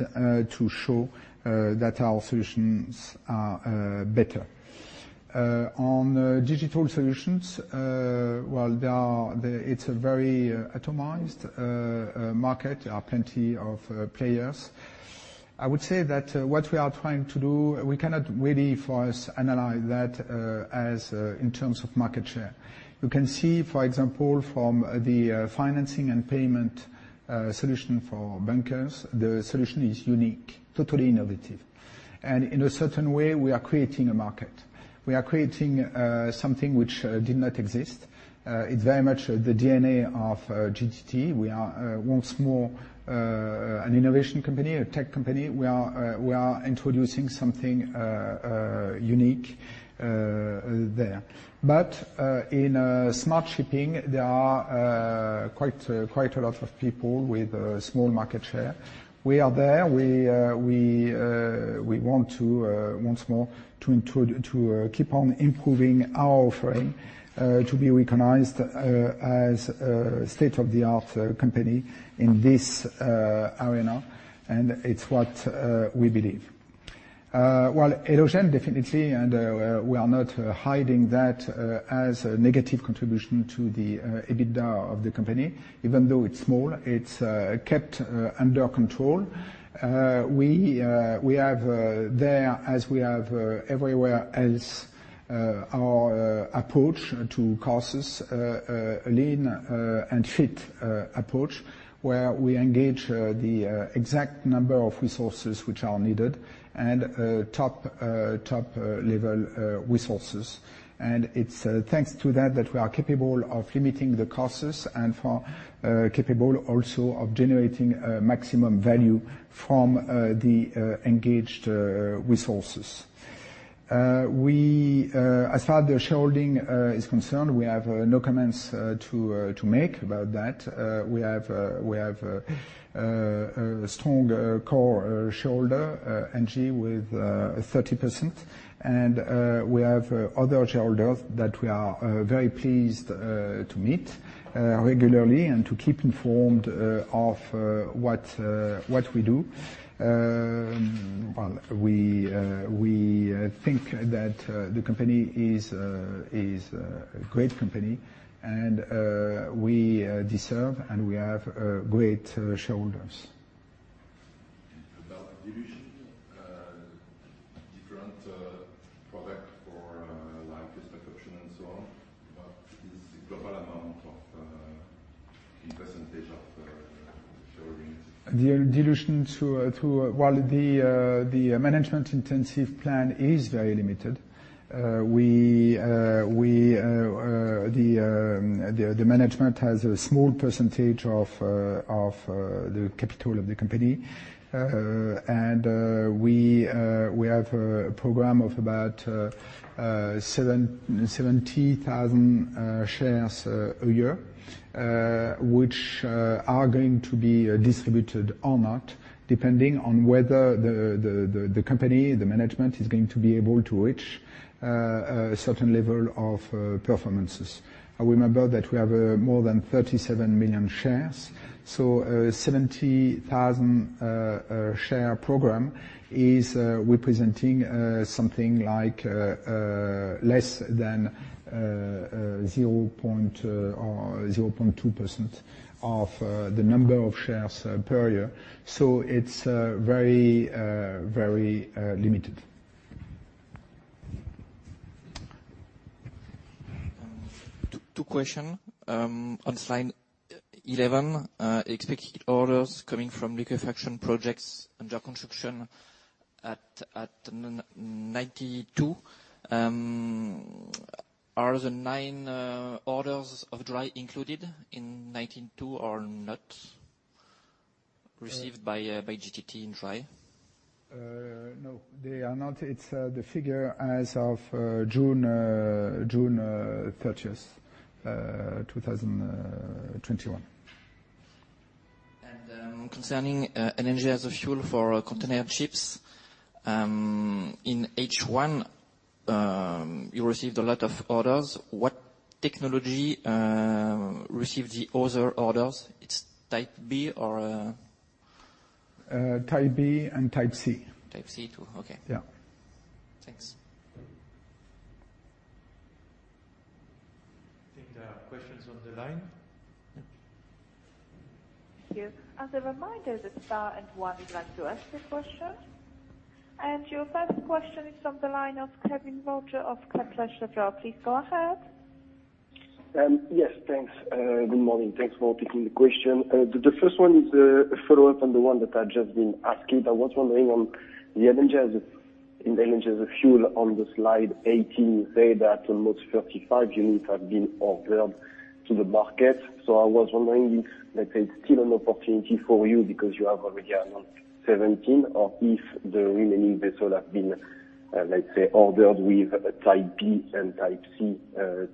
B: to show that our solutions are better. On digital solutions, it's a very atomized market. There are plenty of players. I would say that what we are trying to do, we cannot really, for us, analyze that in terms of market share. You can see, for example, from the financing and payment solution for bunkers, the solution is unique, totally innovative, and in a certain way, we are creating a market. We are creating something which did not exist. It's very much the DNA of GTT. We are once more an innovation company, a tech company. We are introducing something unique there, but in smart shipping, there are quite a lot of people with small market share. We are there. We want to once more keep on improving our offering to be recognized as a state-of-the-art company in this arena, and it's what we believe. Elogen definitely, and we are not hiding that as a negative contribution to the EBITDA of the company. Even though it's small, it's kept under control. We have there, as we have everywhere else, our approach to costs, lean and fit approach, where we engage the exact number of resources which are needed and top-level resources. It's thanks to that that we are capable of limiting the costs and capable also of generating maximum value from the engaged resources. As far as the shareholding is concerned, we have no comments to make about that. We have a strong core shareholder, Engie, with 30%. We have other shareholders that we are very pleased to meet regularly and to keep informed of what we do. We think that the company is a great company, and we deserve, and we have great shareholders.
I: About dilution, different product or like the stock option and so on, what is the global amount of percentage of shareholding?
B: Dilution to, well, the management incentive plan is very limited. The management has a small percentage of the capital of the company. And we have a program of about 70,000 shares a year, which are going to be distributed or not, depending on whether the company, the management, is going to be able to reach a certain level of performance. I remember that we have more than 37 million shares. So a 70,000-share program is representing something like less than 0.2% of the number of shares per year. So it's very, very limited.
I: Two questions. On slide 11, expected orders coming from liquefaction projects and job construction at 92. Are the nine orders of dry included in 92 or not received by GTT in dry?
B: No, they are not. It's the figure as of June 30, 2021.
I: And concerning LNG as a fuel for container ships, in H1, you received a lot of orders. What technology received the other orders? It's type B or?
B: Type B and Type C.
I: Type C too. Okay.
B: Yeah.
I: Thanks.
B: Any questions on the line?
A: Thank you. As a reminder, this is star and one would like to ask a question. And your first question is from the line of Kevin Roger of Kepler Cheuvreux. Please go ahead.
J: Yes. Thanks. Good morning. Thanks for taking the question. The first one is a follow-up on the one that I've just been asking. I was wondering on the LNG as a fuel on the slide 18, you say that almost 35 units have been ordered to the market. So I was wondering if, let's say, it's still an opportunity for you because you have already around 17, or if the remaining vessels have been, let's say, ordered with type B and type C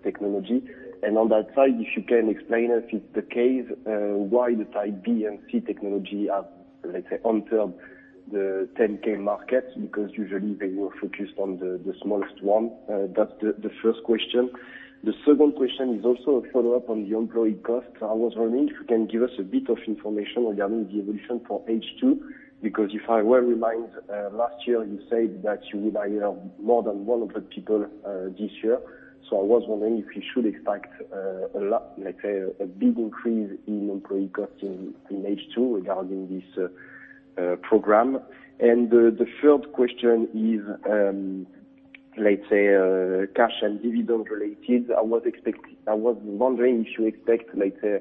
J: technology. And on that side, if you can explain us if it's the case, why the type B and C technology have, let's say, entered the 10K market, because usually they were focused on the smallest one. That's the first question. The second question is also a follow-up on the employee costs. I was wondering if you can give us a bit of information regarding the evolution for H2, because if I recall well, last year, you said that you would hire more than 100 people this year. So I was wondering if you should expect a big increase in employee costs in H2 regarding this program. And the third question is, let's say, cash and dividend-related. I was wondering if you expect, let's say,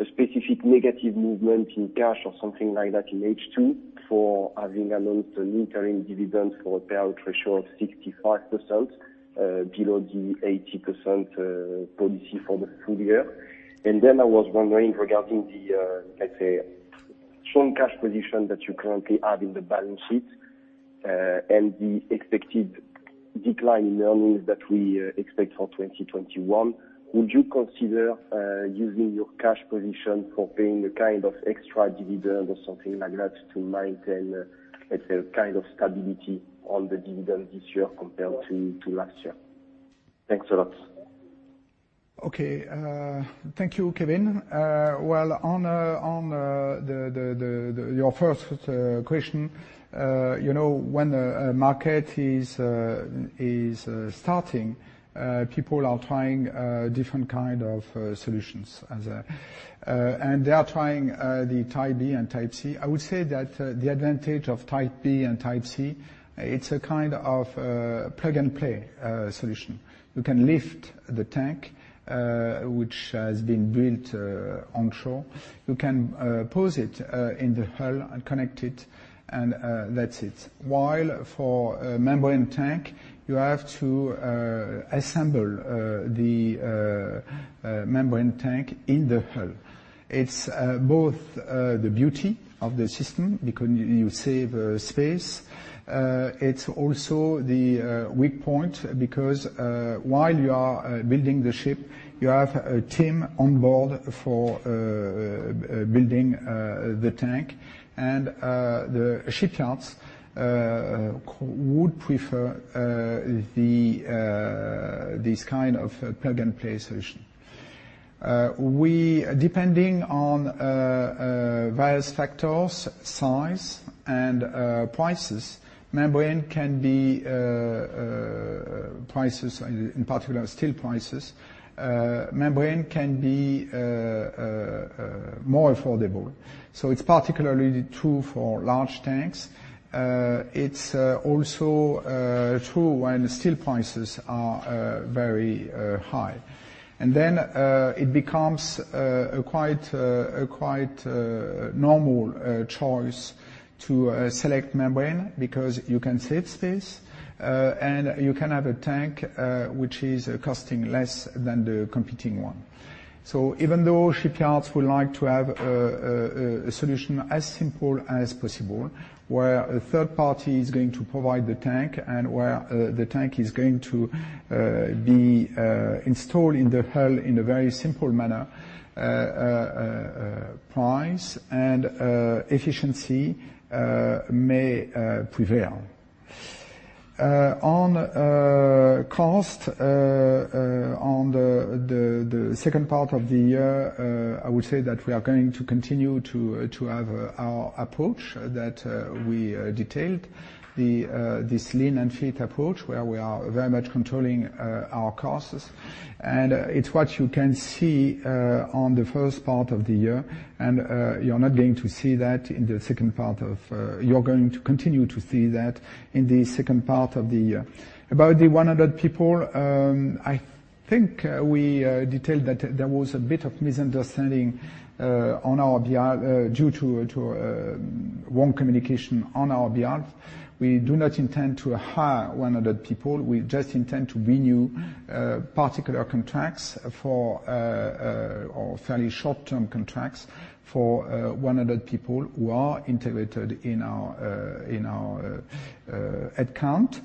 J: a specific negative movement in cash or something like that in H2 for having announced a new current dividend for a payout ratio of 65% below the 80% policy for the full year. And then I was wondering regarding the, let's say, strong cash position that you currently have in the balance sheet and the expected decline in earnings that we expect for 2021. Would you consider using your cash position for paying a kind of extra dividend or something like that to maintain, let's say, a kind of stability on the dividend this year compared to last year? Thanks a lot.
B: Okay. Thank you, Kevin. Well, on your first question, when a market is starting, people are trying different kinds of solutions. And they are trying the type B and type C. I would say that the advantage of type B and type C, it's a kind of plug-and-play solution. You can lift the tank, which has been built onshore. You can pose it in the hull and connect it, and that's it. While for a membrane tank, you have to assemble the membrane tank in the hull. It's both the beauty of the system because you save space. It's also the weak point because while you are building the ship, you have a team on board for building the tank. And the shipyards would prefer this kind of plug-and-play solution. Depending on various factors, size, and prices, membrane can be priced, in particular, steel prices, more affordable. So it's particularly true for large tanks. It's also true when steel prices are very high. And then it becomes a quite normal choice to select membrane because you can save space, and you can have a tank which is costing less than the competing one. So even though shipyards would like to have a solution as simple as possible, where a third party is going to provide the tank, and where the tank is going to be installed in the hull in a very simple manner, price and efficiency may prevail. On cost, on the second part of the year, I would say that we are going to continue to have our approach that we detailed, this lean and fit approach, where we are very much controlling our costs. And it's what you can see on the first part of the year. You're going to continue to see that in the second part of the year. About the 100 people, I think we detailed that there was a bit of misunderstanding on our behalf due to wrong communication on our behalf. We do not intend to hire 100 people. We just intend to renew particular contracts for fairly short-term contracts for 100 people who are integrated in our headcount.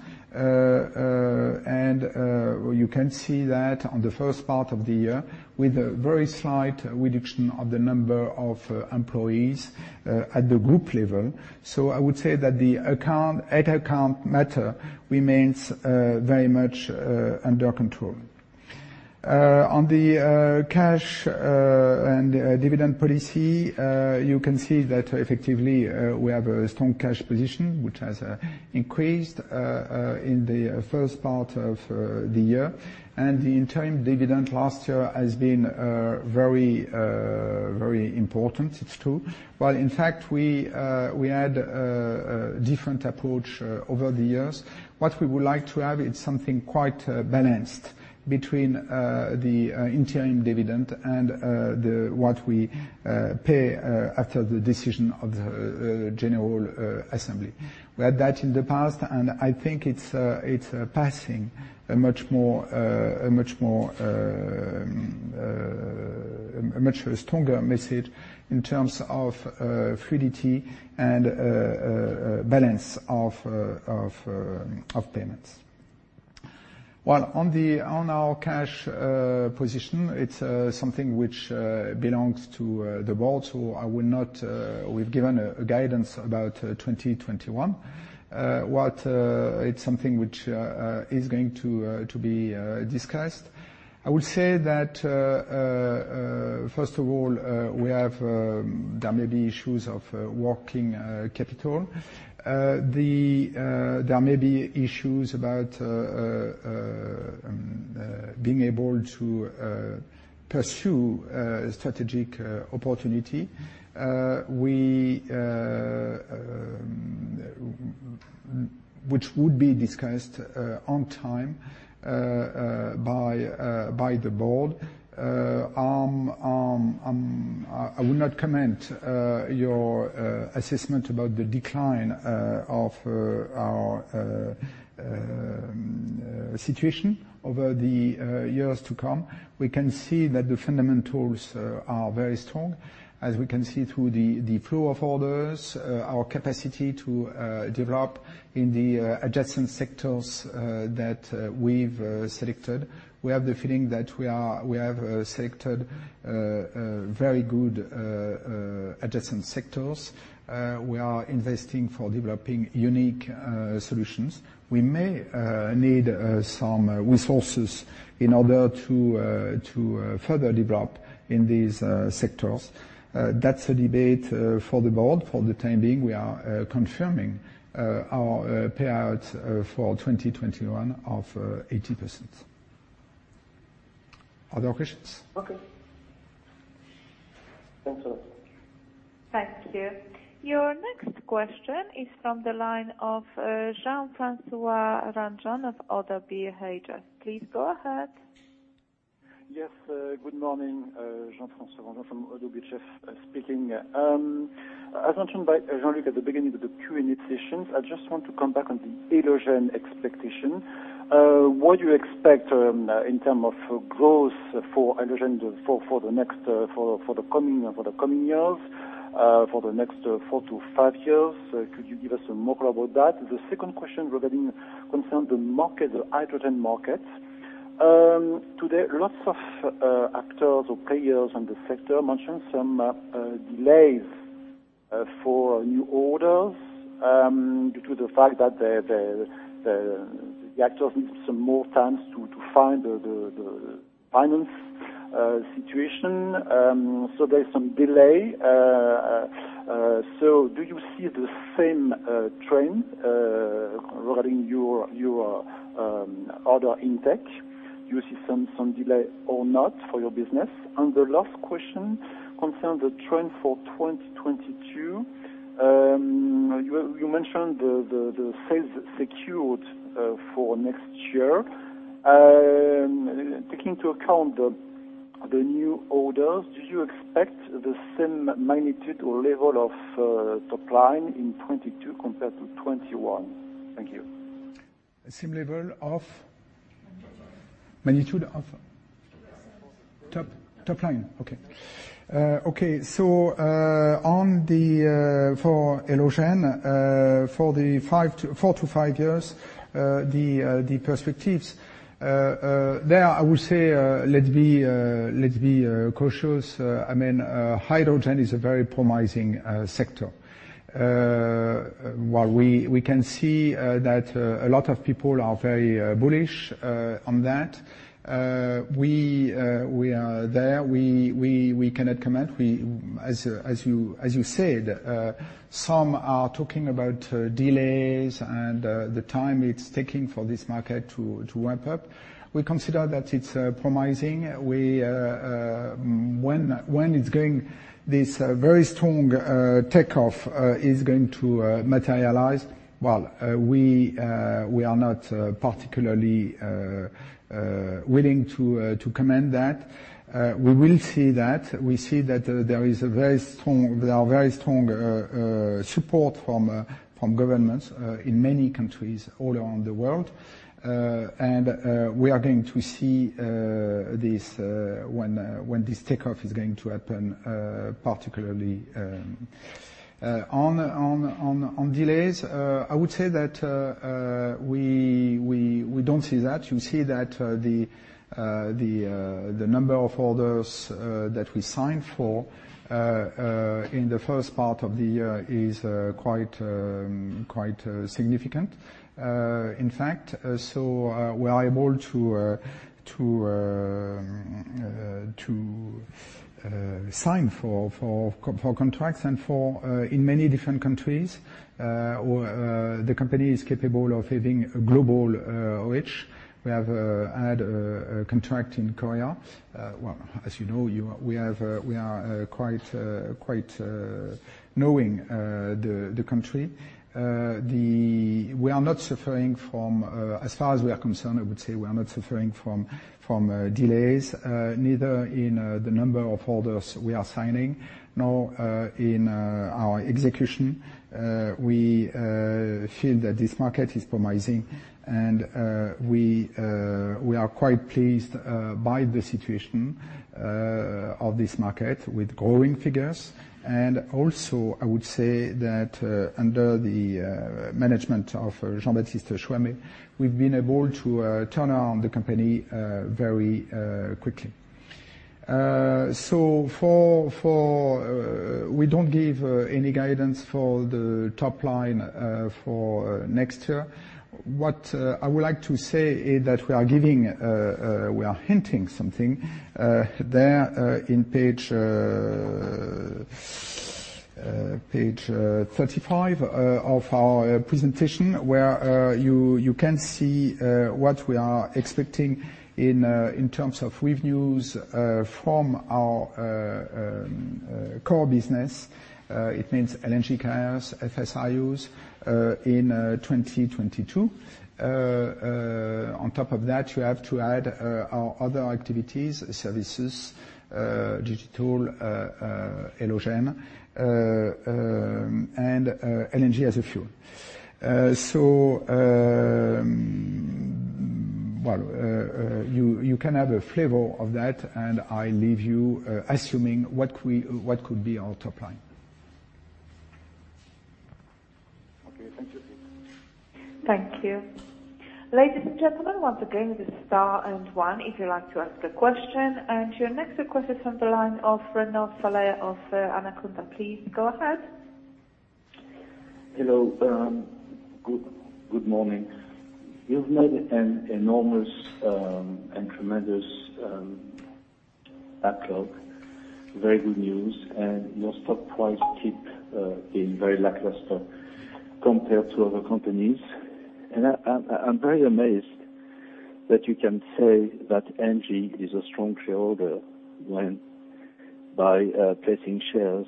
B: You can see that in the first part of the year with a very slight reduction of the number of employees at the group level. I would say that the headcount matter remains very much under control. On the cash and dividend policy, you can see that effectively we have a strong cash position, which has increased in the first part of the year. And the interim dividend last year has been very, very important. It's true. Well, in fact, we had a different approach over the years. What we would like to have is something quite balanced between the interim dividend and what we pay after the decision of the General Assembly. We had that in the past, and I think it's passing a much more stronger message in terms of fluidity and balance of payments. Well, on our cash position, it's something which belongs to the board. So I will not. We've given a guidance about 2021. It's something which is going to be discussed. I would say that, first of all, we have. There may be issues of working capital. There may be issues about being able to pursue strategic opportunity, which would be discussed on time by the board. I will not comment on your assessment about the decline of our situation over the years to come. We can see that the fundamentals are very strong, as we can see through the flow of orders, our capacity to develop in the adjacent sectors that we've selected. We have the feeling that we have selected very good adjacent sectors. We are investing for developing unique solutions. We may need some resources in order to further develop in these sectors. That's a debate for the board. For the time being, we are confirming our payout for 2021 of 80%. Other questions?
J: Okay. Thank you.
A: Thank you. Your next question is from the line of Jean-François Granjon of Oddo BHF. Please go ahead.
K: Yes. Good morning. Jean-François Granjon from Oddo BHF speaking. As mentioned by Jean-Luc at the beginning of the Q&A session, I just want to come back on the Elogen expectation. What do you expect in terms of growth for Elogen for the coming years, for the next four to five years? Could you give us a more clear about that? The second question concerns the hydrogen market. Today, lots of actors or players in the sector mentioned some delays for new orders due to the fact that the actors need some more time to find the finance situation. So there's some delay. So do you see the same trend regarding your order intake? Do you see some delay or not for your business? And the last question concerns the trend for 2022. You mentioned the sales secured for next year. Taking into account the new orders, do you expect the same magnitude or level of top line in 2022 compared to 2021? Thank you.
B: Same level of?
K: Magnitude.
B: Magnitude of?
K: Top line.
B: Top line. Okay. Okay. So for Elogen, for the four to five years, the perspectives there, I would say, let's be cautious. I mean, hydrogen is a very promising sector. While we can see that a lot of people are very bullish on that, we are there. We cannot comment. As you said, some are talking about delays and the time it's taking for this market to ramp up. We consider that it's promising. When this very strong takeoff is going to materialize, well, we are not particularly willing to comment on that. We will see that. We see that there is a very strong support from governments in many countries all around the world. And we are going to see when this takeoff is going to happen, particularly on delays. I would say that we don't see that. You see that the number of orders that we signed for in the first part of the year is quite significant. In fact, so we are able to sign for contracts in many different countries. The company is capable of having a global reach. We have had a contract in Korea. Well, as you know, we are quite knowing the country. We are not suffering from, as far as we are concerned, I would say we are not suffering from delays, neither in the number of orders we are signing nor in our execution. We feel that this market is promising, and we are quite pleased by the situation of this market with growing figures. Also, I would say that under the management of Jean-Baptiste Choimet, we've been able to turn around the company very quickly. So we don't give any guidance for the top line for next year. What I would like to say is that we are hinting something there in page 35 of our presentation, where you can see what we are expecting in terms of revenues from our core business. It means LNG carriers, FSRUs in 2022. On top of that, you have to add our other activities, services, Digital, Elogen, and LNG as a fuel. So you can have a flavor of that, and I leave you assuming what could be our top line.
K: Okay. Thank you.
A: Thank you. Ladies and gentlemen, once again, this is star and one. If you'd like to ask a question, your next request is from the line of Renaud Faller of Amundi. Please go ahead.
L: Hello. Good morning. You've made an enormous and tremendous backlog, very good news, and your stock price keeps being very lackluster compared to other companies. And I'm very amazed that you can say that Engie is a strong shareholder when by placing shares,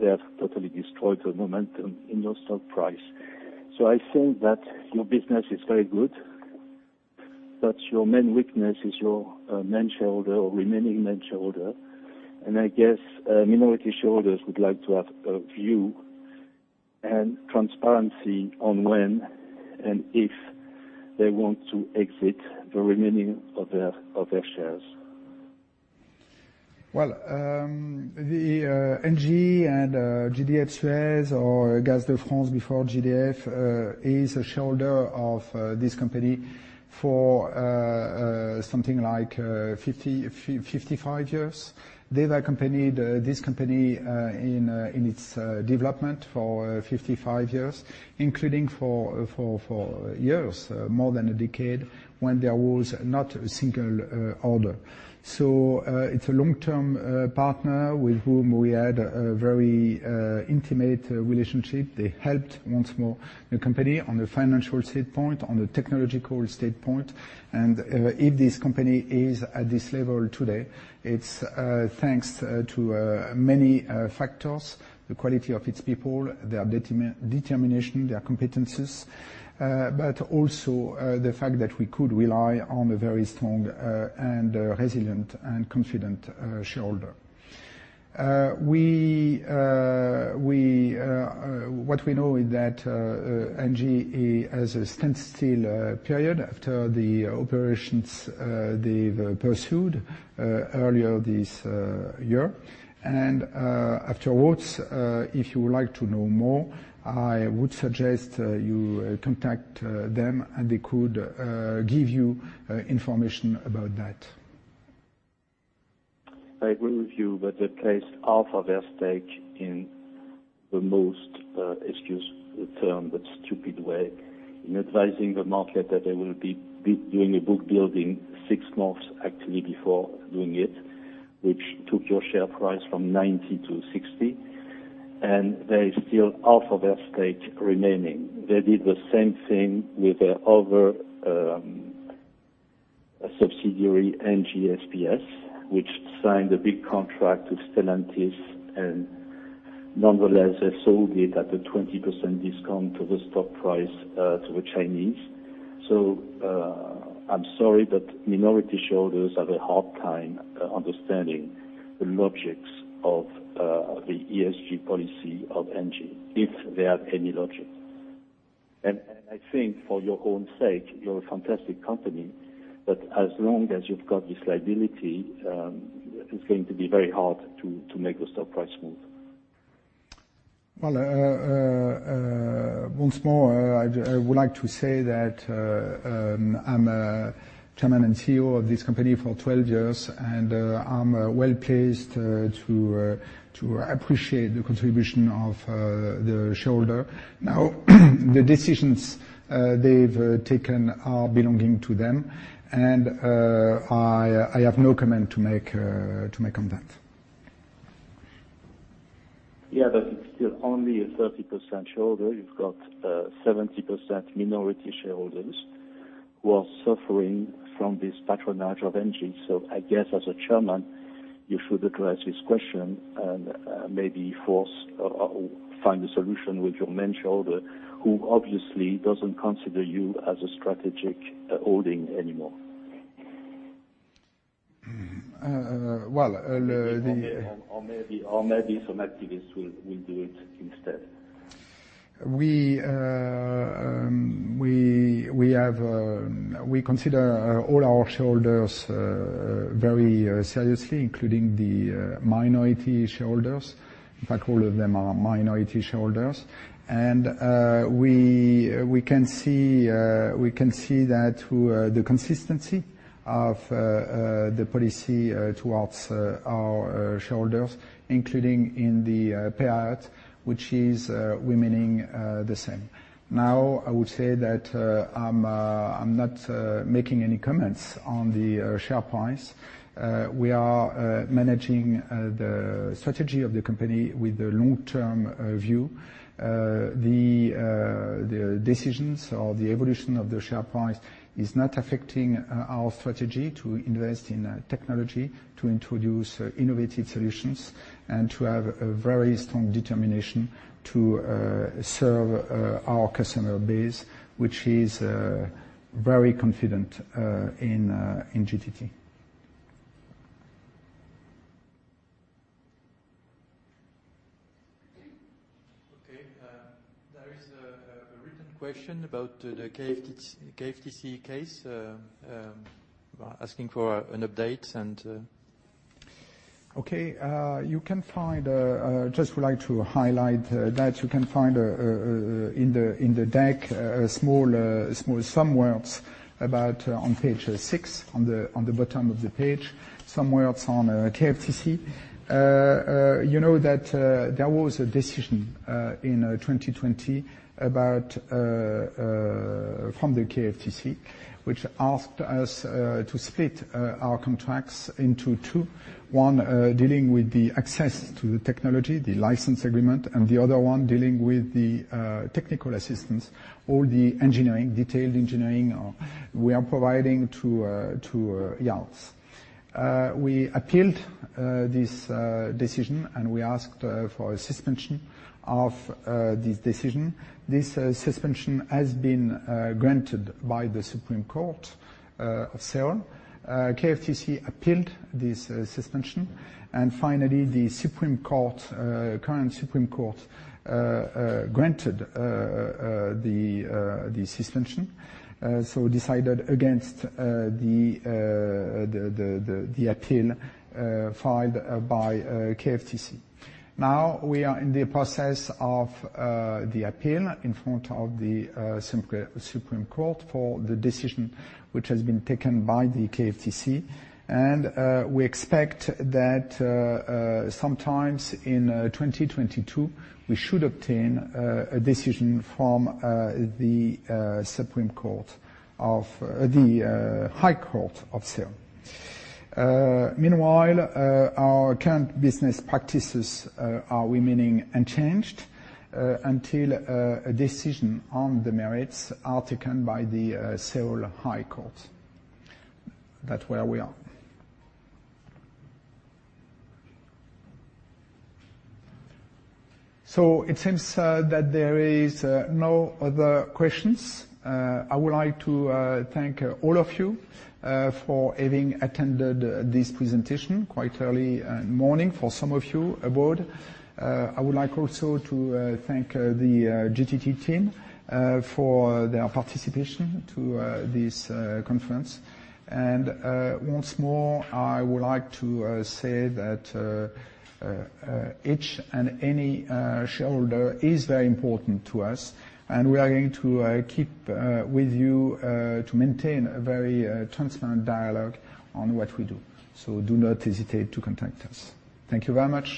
L: they have totally destroyed the momentum in your stock price. So I think that your business is very good, but your main weakness is your remaining main shareholder. And I guess minority shareholders would like to have a view and transparency on when and if they want to exit the remaining of their shares.
B: The Engie and GDF SUEZ, or Gaz de France before GDF, is a shareholder of this company for something like 55 years. They've accompanied this company in its development for 55 years, including for years more than a decade when there was not a single order. So it's a long-term partner with whom we had a very intimate relationship. They helped once more the company on the financial standpoint, on the technological standpoint. And if this company is at this level today, it's thanks to many factors: the quality of its people, their determination, their competencies, but also the fact that we could rely on a very strong and resilient and confident shareholder. What we know is that Engie has a standstill period after the operations they've pursued earlier this year. Afterwards, if you would like to know more, I would suggest you contact them, and they could give you information about that.
E: I agree with you, but they placed half of their stake in the most, excuse the term, but stupid way in advising the market that they will be doing a book building six months actually before doing it, which took your share price from EUR 90 to EUR 60. And there is still half of their stake remaining. They did the same thing with their other subsidiary, Engie EPS, which signed a big contract with Stellantis, and nonetheless, they sold it at a 20% discount to the stock price to the Chinese. So I'm sorry, but minority shareholders have a hard time understanding the logics of the ESG policy of Engie, if they have any logic. And I think for your own sake, you're a fantastic company, but as long as you've got this liability, it's going to be very hard to make the stock price move.
B: Once more, I would like to say that I'm a Chairman and CEO of this company for 12 years, and I'm well placed to appreciate the contribution of the shareholder. Now, the decisions they've taken are belonging to them, and I have no comment to make on that.
E: Yeah, but it's still only a 30% shareholder. You've got 70% minority shareholders who are suffering from this patronage of LNG. So I guess as a chairman, you should address this question and maybe find a solution with your main shareholder, who obviously doesn't consider you as a strategic holding anymore.
B: Well, the.
E: Or maybe some activists will do it instead.
B: We consider all our shareholders very seriously, including the minority shareholders. In fact, all of them are minority shareholders. And we can see that through the consistency of the policy towards our shareholders, including in the payout, which is remaining the same. Now, I would say that I'm not making any comments on the share price. We are managing the strategy of the company with a long-term view. The decisions or the evolution of the share price are not affecting our strategy to invest in technology, to introduce innovative solutions, and to have a very strong determination to serve our customer base, which is very confident in GTT. Okay. There is a written question about the KFTC case, asking for an update and. Okay. I just would like to highlight that you can find in the deck some words about, on page 6, on the bottom of the page, some words on KFTC. You know that there was a decision in 2020 from the KFTC, which asked us to split our contracts into two. One dealing with the access to the technology, the license agreement, and the other one dealing with the technical assistance, all the engineering, detailed engineering we are providing to yards. We appealed this decision, and we asked for a suspension of this decision. This suspension has been granted by the Supreme Court of Seoul. KFTC appealed this suspension. And finally, the current Supreme Court granted the suspension, so decided against the appeal filed by KFTC. Now, we are in the process of the appeal in front of the Supreme Court for the decision which has been taken by the KFTC, and we expect that sometime in 2022, we should obtain a decision from the Supreme Court of the High Court of Seoul. Meanwhile, our current business practices are remaining unchanged until a decision on the merits are taken by the Seoul High Court. That's where we are, so it seems that there are no other questions. I would like to thank all of you for having attended this presentation quite early in the morning for some of you abroad. I would like also to thank the GTT team for their participation in this conference. Once more, I would like to say that each and any shareholder is very important to us, and we are going to keep with you to maintain a very transparent dialogue on what we do. Do not hesitate to contact us. Thank you very much.